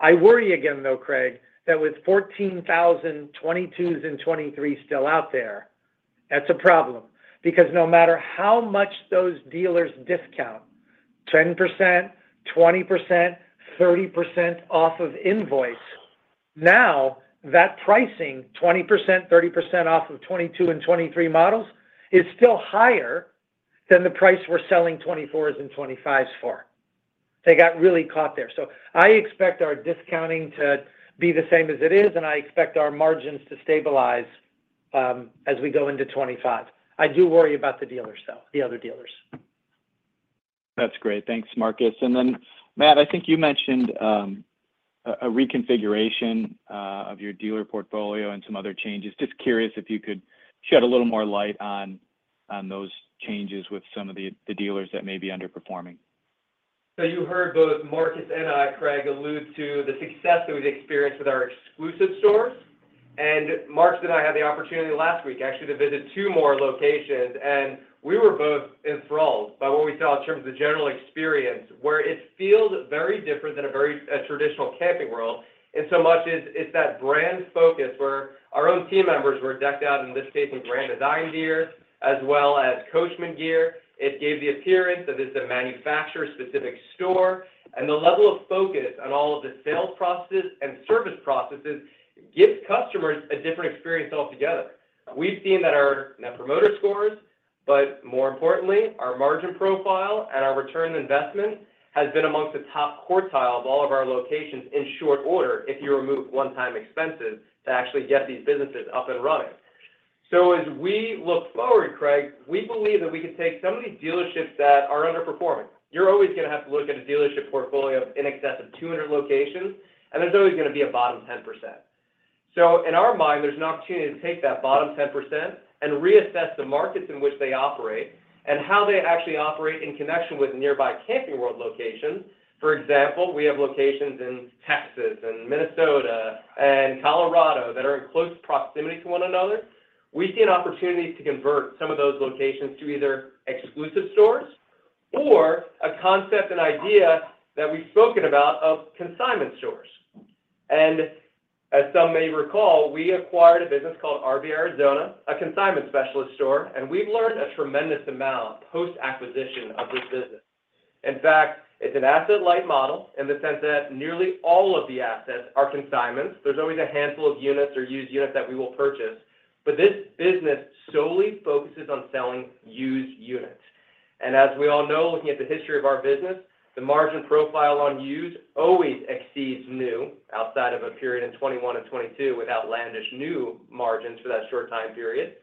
Speaker 4: I worry again, though, Craig, that with 14,000 2022s and 2023s still out there, that's a problem because no matter how much those dealers discount, 10%, 20%, 30% off of invoice, now that pricing, 20%, 30% off of 2022 and 2023 models, is still higher than the price we're selling 2024s and 2025s for. They got really caught there. So I expect our discounting to be the same as it is, and I expect our margins to stabilize as we go into 2025. I do worry about the dealers though, the other dealers.
Speaker 9: That's great. Thanks, Marcus. And then, Matt, I think you mentioned a reconfiguration of your dealer portfolio and some other changes. Just curious if you could shed a little more light on those changes with some of the dealers that may be underperforming.
Speaker 5: So you heard both Marcus and I, Craig, allude to the success that we've experienced with our exclusive stores. Marcus and I had the opportunity last week, actually, to visit two more locations. We were both enthralled by what we saw in terms of the general experience, where it feels very different than a traditional Camping World in so much as it's that brand focus where our own team members were decked out, in this case, in brand design gear as well as Coachmen gear. It gave the appearance that it's a manufacturer-specific store. The level of focus on all of the sales processes and service processes gives customers a different experience altogether. We've seen that our Net Promoter Scores, but more importantly, our margin profile and our return on investment has been amongst the top quartile of all of our locations in short order if you remove one-time expenses to actually get these businesses up and running. So as we look forward, Craig, we believe that we can take some of these dealerships that are underperforming. You're always going to have to look at a dealership portfolio of in excess of 200 locations, and there's always going to be a bottom 10%. So in our mind, there's an opportunity to take that bottom 10% and reassess the markets in which they operate and how they actually operate in connection with nearby Camping World locations. For example, we have locations in Texas and Minnesota and Colorado that are in close proximity to one another. We see an opportunity to convert some of those locations to either exclusive stores or a concept and idea that we've spoken about of consignment stores. As some may recall, we acquired a business called RV Arizona, a consignment specialist store, and we've learned a tremendous amount post-acquisition of this business. In fact, it's an asset-light model in the sense that nearly all of the assets are consignments. There's always a handful of units or used units that we will purchase. But this business solely focuses on selling used units. As we all know, looking at the history of our business, the margin profile on used always exceeds new outside of a period in 2021 and 2022 without outlandish new margins for that short time period.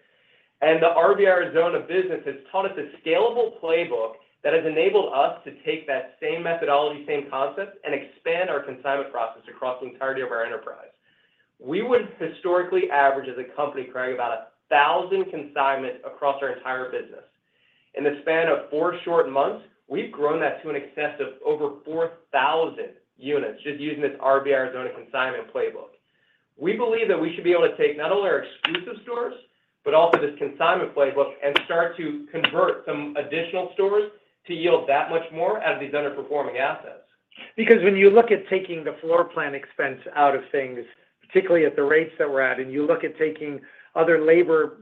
Speaker 5: The RV Arizona business has taught us a scalable playbook that has enabled us to take that same methodology, same concept, and expand our consignment process across the entirety of our enterprise. We would historically average as a company, Craig, about 1,000 consignments across our entire business. In the span of 4 short months, we've grown that to an excess of over 4,000 units just using this RV Arizona consignment playbook. We believe that we should be able to take not only our exclusive stores but also this consignment playbook and start to convert some additional stores to yield that much more out of these underperforming assets.
Speaker 4: Because when you look at taking the floor plan expense out of things, particularly at the rates that we're at, and you look at taking other labor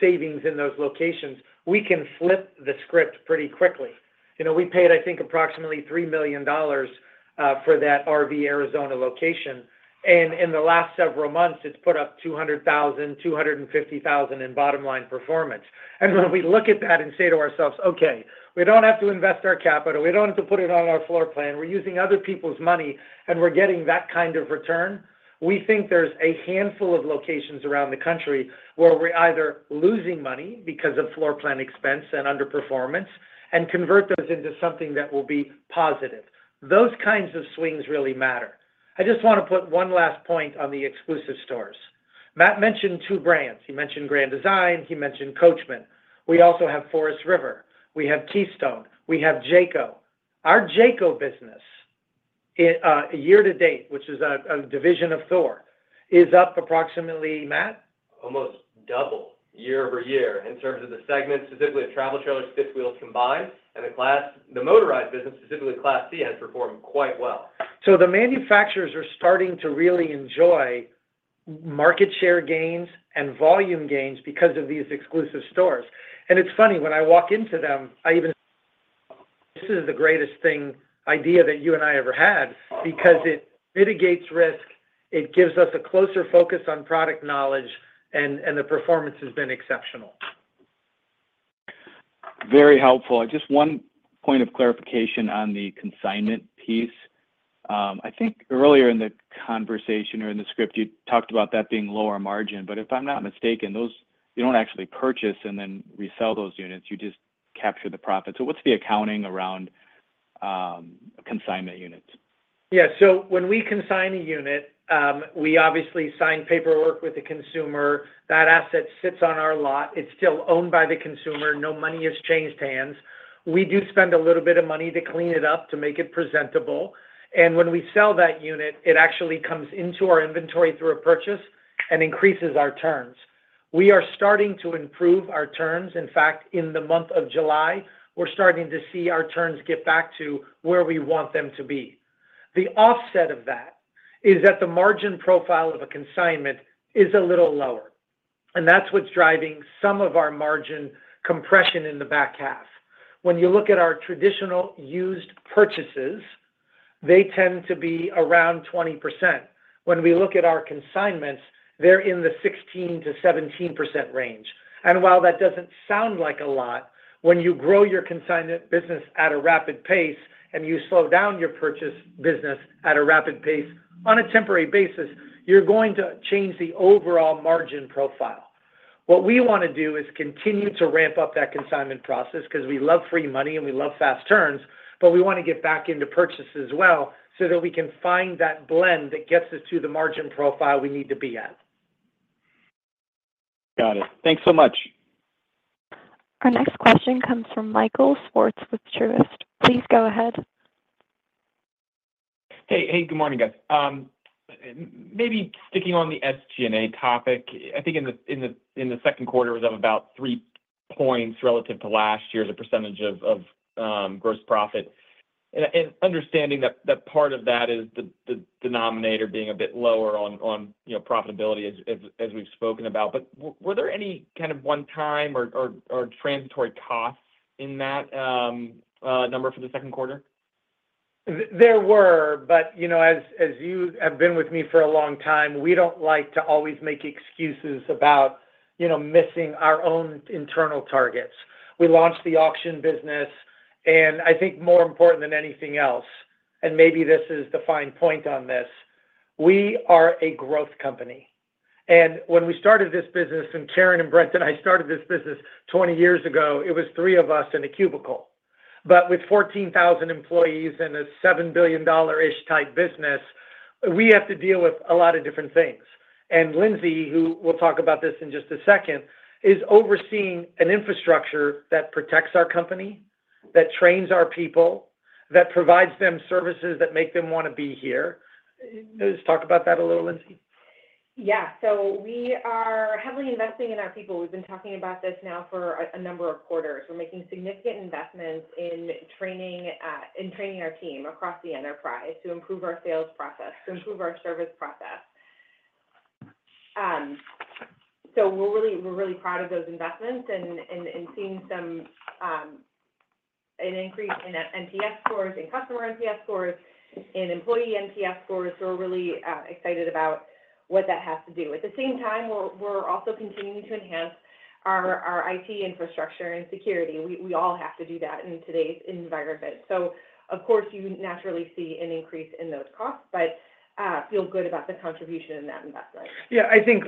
Speaker 4: savings in those locations, we can flip the script pretty quickly. We paid, I think, approximately $3 million for that RV Arizona location. In the last several months, it's put up 200,000-250,000 in bottom-line performance. When we look at that and say to ourselves, "Okay, we don't have to invest our capital. We don't have to put it on our floor plan. We're using other people's money, and we're getting that kind of return," we think there's a handful of locations around the country where we're either losing money because of floor plan expense and underperformance and convert those into something that will be positive. Those kinds of swings really matter. I just want to put one last point on the exclusive stores. Matt mentioned two brands. He mentioned Grand Design. He mentioned Coachmen. We also have Forest River. We have Keystone. We have Jayco. Our Jayco business year to date, which is a division of Thor, is up approximately, Matt?
Speaker 5: Almost double year-over-year in terms of the segment, specifically of travel trailers, fifth wheels combined. The motorized business, specifically Class C, has performed quite well.
Speaker 4: So the manufacturers are starting to really enjoy market share gains and volume gains because of these exclusive stores. It's funny, when I walk into them, I even, this is the greatest idea that you and I ever had because it mitigates risk. It gives us a closer focus on product knowledge, and the performance has been exceptional.
Speaker 9: Very helpful. Just one point of clarification on the consignment piece. I think earlier in the conversation or in the script, you talked about that being lower margin. But if I'm not mistaken, you don't actually purchase and then resell those units. You just capture the profit. So what's the accounting around consignment units?
Speaker 4: Yeah. So when we consign a unit, we obviously sign paperwork with the consumer. That asset sits on our lot. It's still owned by the consumer. No money has changed hands. We do spend a little bit of money to clean it up to make it presentable. And when we sell that unit, it actually comes into our inventory through a purchase and increases our terms. We are starting to improve our terms. In fact, in the month of July, we're starting to see our terms get back to where we want them to be. The offset of that is that the margin profile of a consignment is a little lower. And that's what's driving some of our margin compression in the back half. When you look at our traditional used purchases, they tend to be around 20%. When we look at our consignments, they're in the 16%-17% range. While that doesn't sound like a lot, when you grow your consignment business at a rapid pace and you slow down your purchase business at a rapid pace on a temporary basis, you're going to change the overall margin profile. What we want to do is continue to ramp up that consignment process because we love free money and we love fast turns, but we want to get back into purchases as well so that we can find that blend that gets us to the margin profile we need to be at.
Speaker 9: Got it. Thanks so much.
Speaker 1: Our next question comes from Michael Swartz with Truist. Please go ahead.
Speaker 10: Hey. Hey. Good morning, guys. Maybe sticking on the SG&A topic, I think in the second quarter, it was up about three points relative to last year's percentage of gross profit. And understanding that part of that is the denominator being a bit lower on profitability, as we've spoken about. But were there any kind of one-time or transitory costs in that number for the second quarter?
Speaker 4: There were. But as you have been with me for a long time, we don't like to always make excuses about missing our own internal targets. We launched the auction business, and I think more important than anything else, and maybe this is the fine point on this, we are a growth company. And when we started this business, and Karen and Brent and I started this business 20 years ago, it was three of us in a cubicle. But with 14,000 employees and a $7 billion-ish type business, we have to deal with a lot of different things. And Lindsey, who will talk about this in just a second, is overseeing an infrastructure that protects our company, that trains our people, that provides them services that make them want to be here. Let's talk about that a little, Lindsey.
Speaker 3: Yeah. So we are heavily investing in our people. We've been talking about this now for a number of quarters. We're making significant investments in training our team across the enterprise to improve our sales process, to improve our service process. So we're really proud of those investments and seeing an increase in NPS scores and customer NPS scores and employee NPS scores. So we're really excited about what that has to do. At the same time, we're also continuing to enhance our IT infrastructure and security. We all have to do that in today's environment. So, of course, you naturally see an increase in those costs, but feel good about the contribution in that investment.
Speaker 4: Yeah. I think,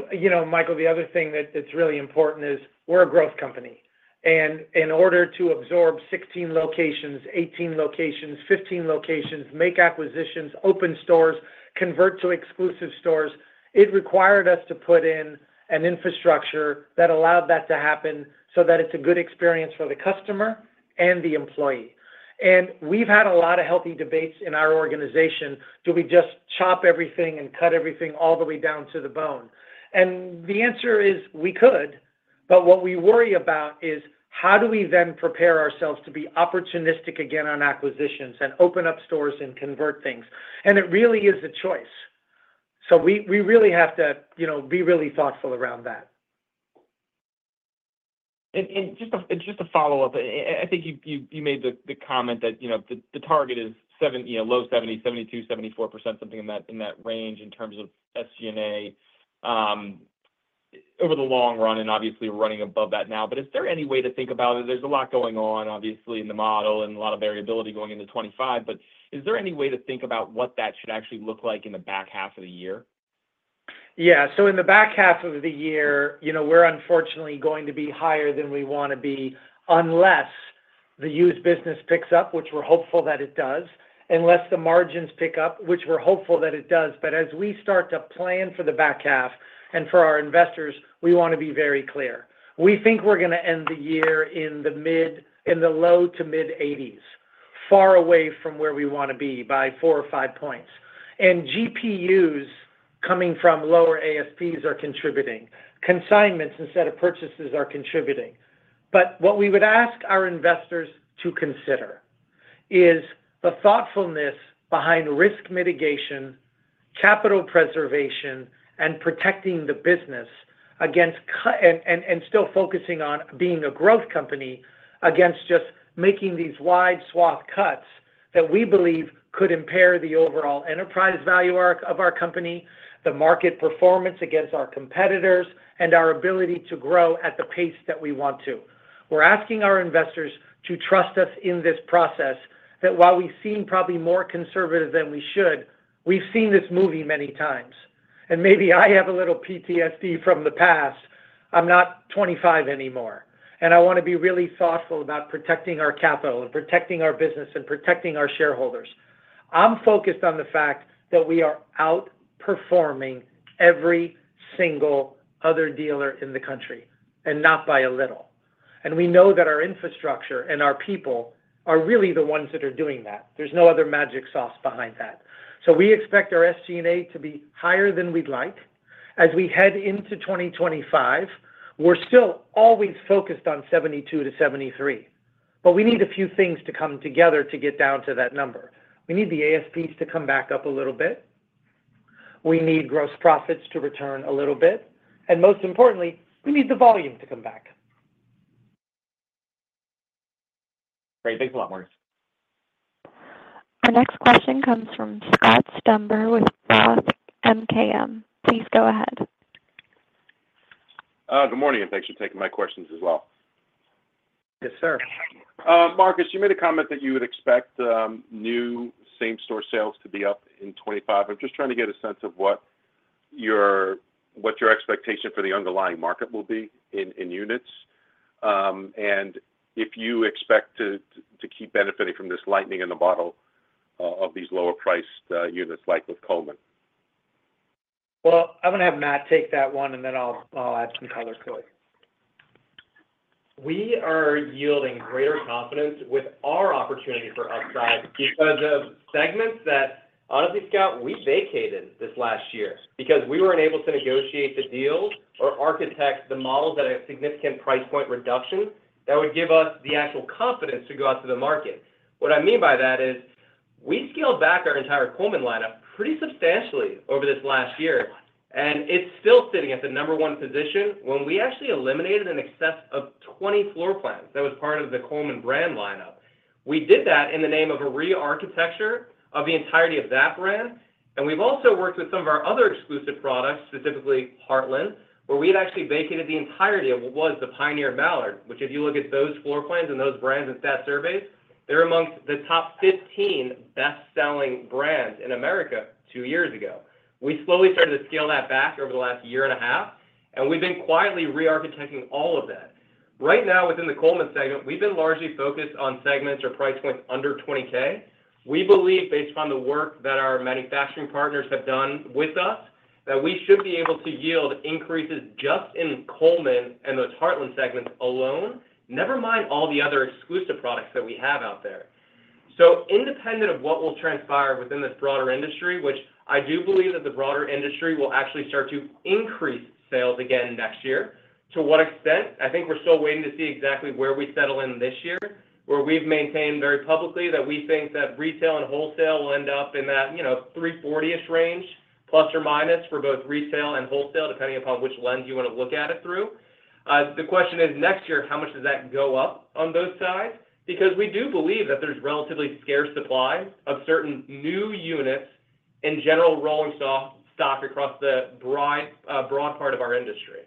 Speaker 4: Michael, the other thing that's really important is we're a growth company. And in order to absorb 16 locations, 18 locations, 15 locations, make acquisitions, open stores, convert to exclusive stores, it required us to put in an infrastructure that allowed that to happen so that it's a good experience for the customer and the employee. And we've had a lot of healthy debates in our organization. Do we just chop everything and cut everything all the way down to the bone? And the answer is we could. But what we worry about is how do we then prepare ourselves to be opportunistic again on acquisitions and open up stores and convert things? And it really is a choice. So we really have to be really thoughtful around that.
Speaker 10: Just a follow-up. I think you made the comment that the target is low 70, 72, 74%, something in that range in terms of SG&A over the long run. Obviously, we're running above that now. Is there any way to think about it? There's a lot going on, obviously, in the model and a lot of variability going into 2025. Is there any way to think about what that should actually look like in the back half of the year?
Speaker 4: Yeah. So in the back half of the year, we're unfortunately going to be higher than we want to be unless the used business picks up, which we're hopeful that it does, unless the margins pick up, which we're hopeful that it does. But as we start to plan for the back half and for our investors, we want to be very clear. We think we're going to end the year in the low to mid-80s, far away from where we want to be by four or five points. And GPUs coming from lower ASPs are contributing. Consignments instead of purchases are contributing. But what we would ask our investors to consider is the thoughtfulness behind risk mitigation, capital preservation, and protecting the business against and still focusing on being a growth company against just making these wide swath cuts that we believe could impair the overall enterprise value arc of our company, the market performance against our competitors, and our ability to grow at the pace that we want to. We're asking our investors to trust us in this process that while we seem probably more conservative than we should, we've seen this movie many times. And maybe I have a little PTSD from the past. I'm not 25 anymore. And I want to be really thoughtful about protecting our capital and protecting our business and protecting our shareholders. I'm focused on the fact that we are outperforming every single other dealer in the country and not by a little. We know that our infrastructure and our people are really the ones that are doing that. There's no other magic sauce behind that. So we expect our SG&A to be higher than we'd like. As we head into 2025, we're still always focused on 72-73. But we need a few things to come together to get down to that number. We need the ASPs to come back up a little bit. We need gross profits to return a little bit. And most importantly, we need the volume to come back.
Speaker 10: Great. Thanks a lot, Marcus.
Speaker 1: Our next question comes from Scott Stember with Roth MKM. Please go ahead.
Speaker 11: Good morning, and thanks for taking my questions as well.
Speaker 4: Yes, sir.
Speaker 11: Marcus, you made a comment that you would expect new same-store sales to be up in 2025. I'm just trying to get a sense of what your expectation for the underlying market will be in units and if you expect to keep benefiting from this lightning in the bottle of these lower-priced units like with Coleman.
Speaker 4: Well, I'm going to have Matt take that one, and then I'll add some color to it.
Speaker 5: We are yielding greater confidence with our opportunity for upside because of segments that, honestly, Scott, we vacated this last year because we weren't able to negotiate the deals or architect the models at a significant price point reduction that would give us the actual confidence to go out to the market. What I mean by that is we scaled back our entire Coleman lineup pretty substantially over this last year, and it's still sitting at the number one position when we actually eliminated an excess of 20 floor plans that was part of the Coleman brand lineup. We did that in the name of a re-architecture of the entirety of that brand. We've also worked with some of our other exclusive products, specifically Heartland, where we had actually vacated the entirety of what was the Pioneer Mallard, which if you look at those floor plans and those brands and Stat Surveys, they're amongst the top 15 best-selling brands in America 2 years ago. We slowly started to scale that back over the last year and a half, and we've been quietly re-architecting all of that. Right now, within the Coleman segment, we've been largely focused on segments or price points under 20K. We believe, based upon the work that our manufacturing partners have done with us, that we should be able to yield increases just in Coleman and those Heartland segments alone, never mind all the other exclusive products that we have out there. So independent of what will transpire within this broader industry, which I do believe that the broader industry will actually start to increase sales again next year, to what extent? I think we're still waiting to see exactly where we settle in this year, where we've maintained very publicly that we think that retail and wholesale will end up in that 340-ish range, plus or minus for both retail and wholesale, depending upon which lens you want to look at it through. The question is, next year, how much does that go up on both sides? Because we do believe that there's relatively scarce supply of certain new units and general rolling stock across the broad part of our industry.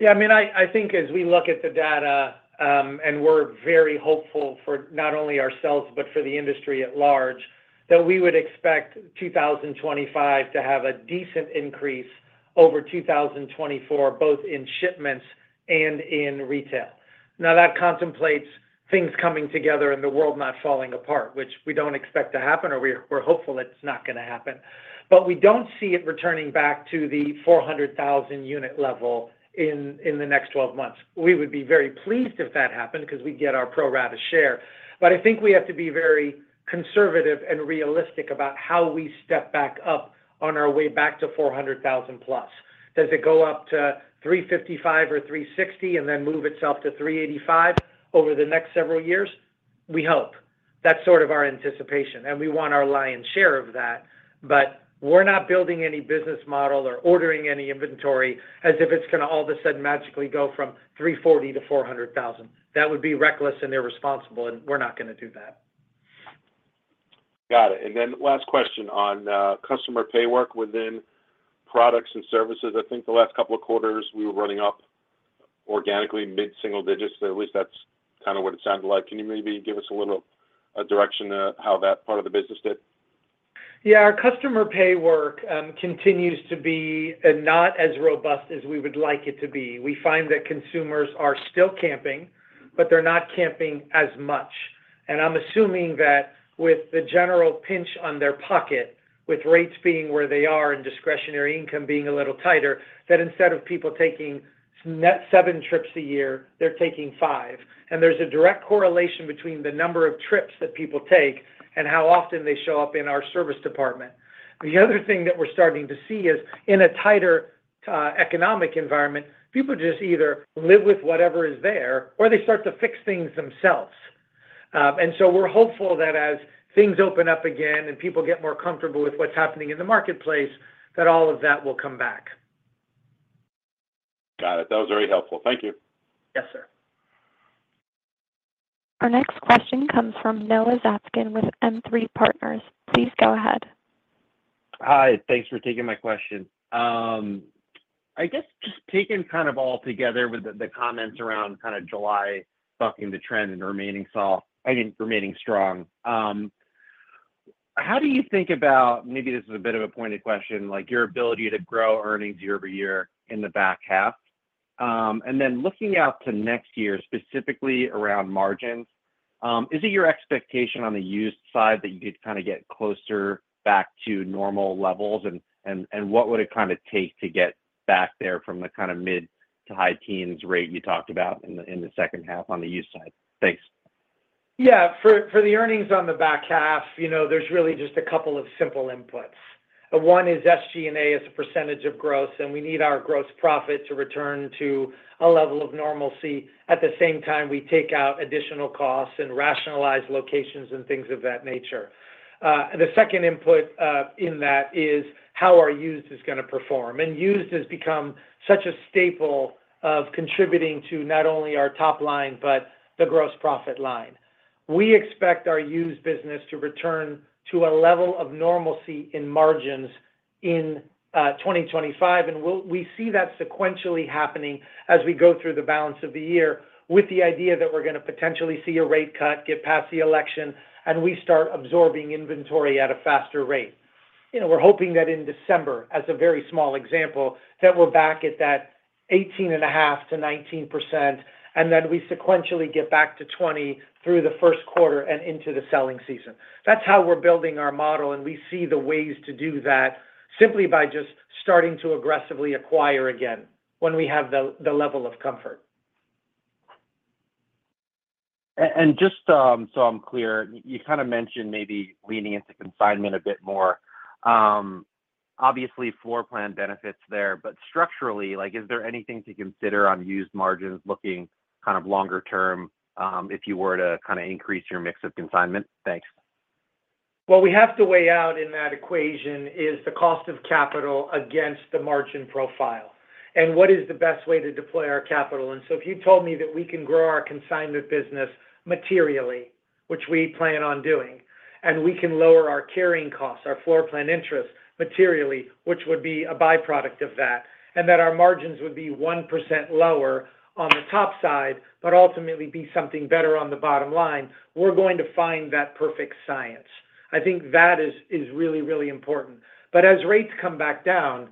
Speaker 4: Yeah. I mean, I think as we look at the data, and we're very hopeful for not only ourselves but for the industry at large, that we would expect 2025 to have a decent increase over 2024, both in shipments and in retail. Now, that contemplates things coming together and the world not falling apart, which we don't expect to happen, or we're hopeful it's not going to happen. But we don't see it returning back to the 400,000 unit level in the next 12 months. We would be very pleased if that happened because we'd get our pro rata share. But I think we have to be very conservative and realistic about how we step back up on our way back to 400,000+. Does it go up to 355 or 360 and then move itself to 385 over the next several years? We hope. That's sort of our anticipation. And we want our lion's share of that. But we're not building any business model or ordering any inventory as if it's going to all of a sudden magically go from 340 to 400,000. That would be reckless and irresponsible, and we're not going to do that.
Speaker 11: Got it. And then last question on customer pay work within products and services. I think the last couple of quarters, we were running up organically mid-single digits. At least that's kind of what it sounded like. Can you maybe give us a little direction of how that part of the business did?
Speaker 4: Yeah. Our customer pay work continues to be not as robust as we would like it to be. We find that consumers are still camping, but they're not camping as much. And I'm assuming that with the general pinch on their pocket, with rates being where they are and discretionary income being a little tighter, that instead of people taking seven trips a year, they're taking five. And there's a direct correlation between the number of trips that people take and how often they show up in our service department. The other thing that we're starting to see is, in a tighter economic environment, people just either live with whatever is there or they start to fix things themselves. And so we're hopeful that as things open up again and people get more comfortable with what's happening in the marketplace, that all of that will come back.
Speaker 11: Got it. That was very helpful. Thank you.
Speaker 4: Yes, sir.
Speaker 1: Our next question comes from Noah Zatzkin with KeyBanc Capital Markets. Please go ahead.
Speaker 12: Hi. Thanks for taking my question. I guess just taking kind of all together with the comments around kind of July bucking the trend and remaining strong. How do you think about, maybe this is a bit of a pointed question, your ability to grow earnings year-over-year in the back half? And then looking out to next year, specifically around margins, is it your expectation on the used side that you could kind of get closer back to normal levels? And what would it kind of take to get back there from the kind of mid- to high-teens rate you talked about in the second half on the used side? Thanks.
Speaker 4: Yeah. For the earnings on the back half, there's really just a couple of simple inputs. One is SG&A as a percentage of gross, and we need our gross profit to return to a level of normalcy at the same time we take out additional costs and rationalize locations and things of that nature. The second input in that is how our used is going to perform. And used has become such a staple of contributing to not only our top line but the gross profit line. We expect our used business to return to a level of normalcy in margins in 2025. And we see that sequentially happening as we go through the balance of the year with the idea that we're going to potentially see a rate cut get past the election and we start absorbing inventory at a faster rate. We're hoping that in December, as a very small example, that we're back at that 18.5%-19%, and then we sequentially get back to 20% through the first quarter and into the selling season. That's how we're building our model. We see the ways to do that simply by just starting to aggressively acquire again when we have the level of comfort.
Speaker 12: Just so I'm clear, you kind of mentioned maybe leaning into consignment a bit more. Obviously, floor plan benefits there. But structurally, is there anything to consider on used margins looking kind of longer term if you were to kind of increase your mix of consignment? Thanks.
Speaker 4: What we have to weigh out in that equation is the cost of capital against the margin profile and what is the best way to deploy our capital. So if you told me that we can grow our consignment business materially, which we plan on doing, and we can lower our carrying costs, our floor plan interest materially, which would be a byproduct of that, and that our margins would be 1% lower on the top side but ultimately be something better on the bottom line, we're going to find that perfect science. I think that is really, really important. But as rates come back down,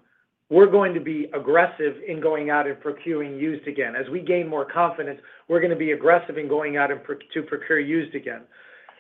Speaker 4: we're going to be aggressive in going out and procuring used again. As we gain more confidence, we're going to be aggressive in going out and procure used again.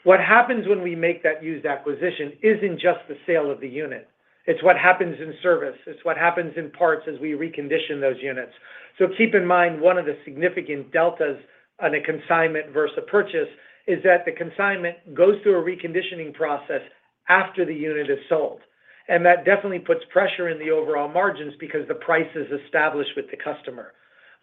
Speaker 4: What happens when we make that used acquisition isn't just the sale of the unit. It's what happens in service. It's what happens in parts as we recondition those units. So keep in mind one of the significant deltas on a consignment versus a purchase is that the consignment goes through a reconditioning process after the unit is sold. And that definitely puts pressure in the overall margins because the price is established with the customer.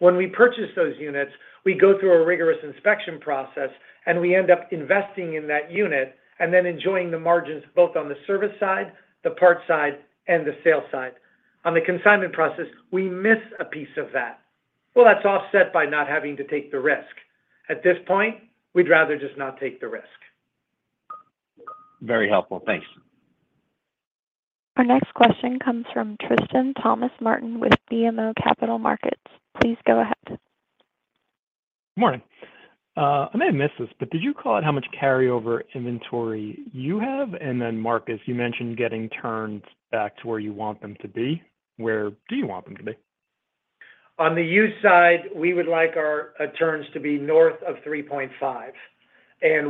Speaker 4: When we purchase those units, we go through a rigorous inspection process, and we end up investing in that unit and then enjoying the margins both on the service side, the part side, and the sale side. On the consignment process, we miss a piece of that. Well, that's offset by not having to take the risk. At this point, we'd rather just not take the risk.
Speaker 12: Very helpful. Thanks.
Speaker 1: Our next question comes from Tristan Thomas-Martin with BMO Capital Markets. Please go ahead.
Speaker 13: Good morning. I may have missed this, but did you call it how much carryover inventory you have? And then, Marcus, you mentioned getting turns back to where you want them to be. Where do you want them to be?
Speaker 4: On the used side, we would like our turns to be north of 3.5.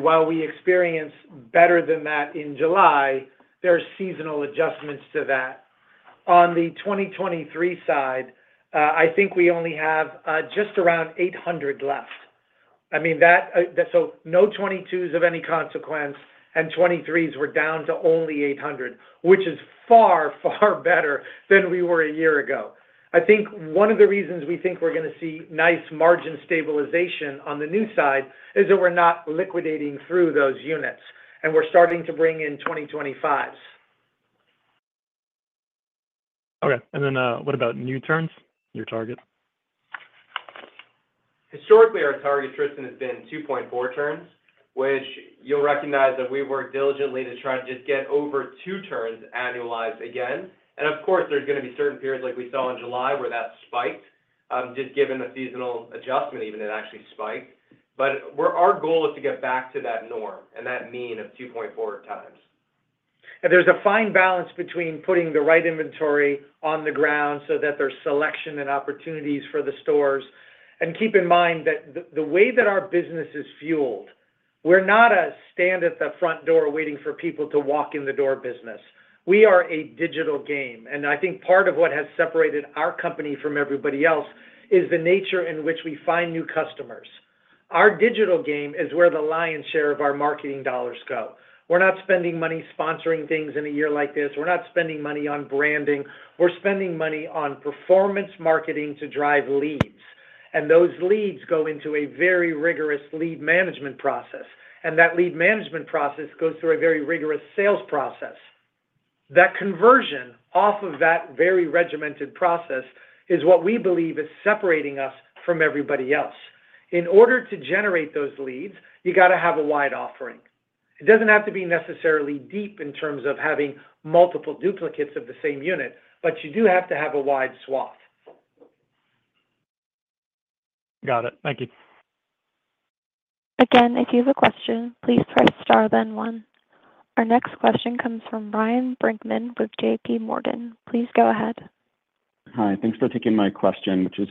Speaker 4: While we experience better than that in July, there are seasonal adjustments to that. On the 2023 side, I think we only have just around 800 left. I mean, so no 2022s of any consequence, and 2023s were down to only 800, which is far, far better than we were a year ago. I think one of the reasons we think we're going to see nice margin stabilization on the new side is that we're not liquidating through those units, and we're starting to bring in 2025s.
Speaker 13: Okay. And then what about new turns? Your target?
Speaker 5: Historically, our target, Tristan, has been 2.4 turns, which you'll recognize that we've worked diligently to try to just get over 2 turns annualized again. Of course, there's going to be certain periods like we saw in July where that spiked, just given the seasonal adjustment, even it actually spiked. Our goal is to get back to that norm and that mean of 2.4 times.
Speaker 4: There's a fine balance between putting the right inventory on the ground so that there's selection and opportunities for the stores. Keep in mind that the way that our business is fueled, we're not a stand at the front door waiting for people to walk in the door business. We are a digital game. I think part of what has separated our company from everybody else is the nature in which we find new customers. Our digital game is where the lion's share of our marketing dollars go. We're not spending money sponsoring things in a year like this. We're not spending money on branding. We're spending money on performance marketing to drive leads. Those leads go into a very rigorous lead management process. That lead management process goes through a very rigorous sales process. That conversion off of that very regimented process is what we believe is separating us from everybody else. In order to generate those leads, you got to have a wide offering. It doesn't have to be necessarily deep in terms of having multiple duplicates of the same unit, but you do have to have a wide swath.
Speaker 13: Got it. Thank you.
Speaker 1: Again, if you have a question, please press star then one. Our next question comes from Ryan Brinkman with JPMorgan. Please go ahead.
Speaker 14: Hi. Thanks for taking my question, which is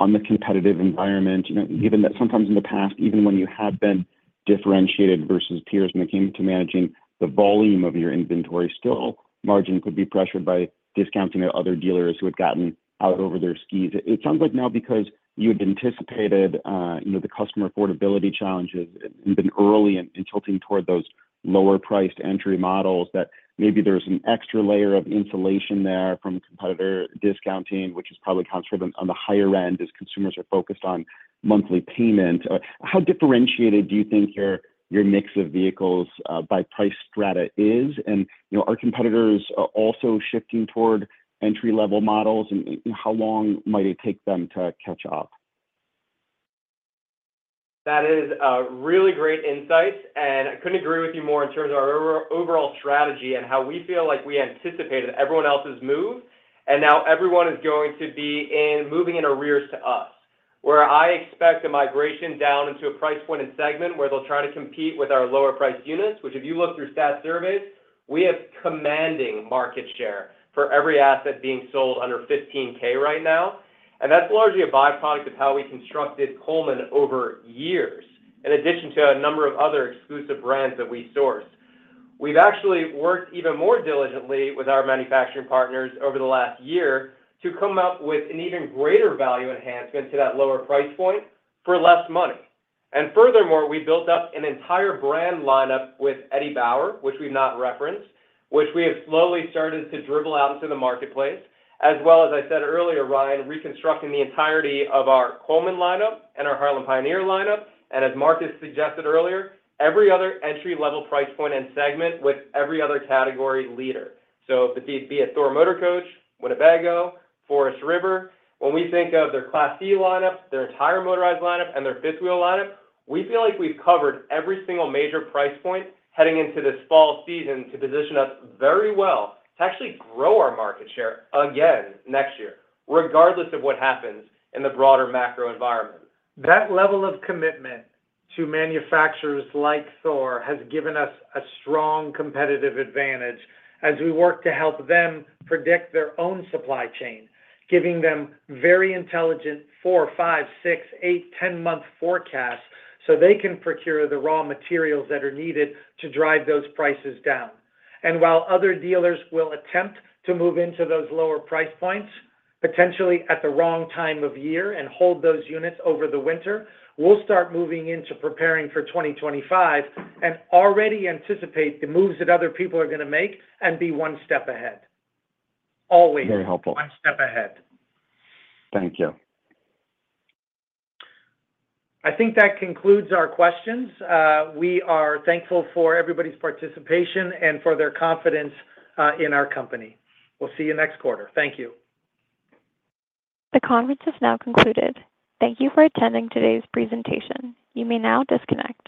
Speaker 14: on the competitive environment. Given that sometimes in the past, even when you have been differentiated versus peers when it came to managing the volume of your inventory, still margin could be pressured by discounting at other dealers who had gotten out over their skis. It sounds like now, because you had anticipated the customer affordability challenges and been early in tilting toward those lower-priced entry models, that maybe there's an extra layer of insulation there from competitor discounting, which probably comes from the higher end as consumers are focused on monthly payment. How differentiated do you think your mix of vehicles by price strata is? And are competitors also shifting toward entry-level models, and how long might it take them to catch up?
Speaker 5: That is really great insights. I couldn't agree with you more in terms of our overall strategy and how we feel like we anticipated everyone else's move. Now everyone is going to be moving in arrears to us, where I expect a migration down into a price point and segment where they'll try to compete with our lower-priced units, which if you look through Stat Surveys, we have commanding market share for every asset being sold under 15K right now. That's largely a byproduct of how we constructed Coleman over years, in addition to a number of other exclusive brands that we sourced. We've actually worked even more diligently with our manufacturing partners over the last year to come up with an even greater value enhancement to that lower price point for less money. Furthermore, we built up an entire brand lineup with Eddie Bauer, which we've not referenced, which we have slowly started to dribble out into the marketplace, as well as, I said earlier, Ryan, reconstructing the entirety of our Coleman lineup and our Heartland Pioneer lineup. And as Marcus suggested earlier, every other entry-level price point and segment with every other category leader. So be it Thor Motor Coach, Winnebago, Forest River. When we think of their Class C lineup, their entire motorized lineup, and their fifth-wheel lineup, we feel like we've covered every single major price point heading into this fall season to position us very well to actually grow our market share again next year, regardless of what happens in the broader macro environment.
Speaker 4: That level of commitment to manufacturers like Thor has given us a strong competitive advantage as we work to help them predict their own supply chain, giving them very intelligent four, five, six, eight, 10-month forecasts so they can procure the raw materials that are needed to drive those prices down. And while other dealers will attempt to move into those lower price points, potentially at the wrong time of year, and hold those units over the winter, we'll start moving into preparing for 2025 and already anticipate the moves that other people are going to make and be one step ahead. Always.
Speaker 14: Very helpful.
Speaker 4: One step ahead.
Speaker 14: Thank you.
Speaker 4: I think that concludes our questions. We are thankful for everybody's participation and for their confidence in our company. We'll see you next quarter. Thank you.
Speaker 1: The conference has now concluded. Thank you for attending today's presentation. You may now disconnect.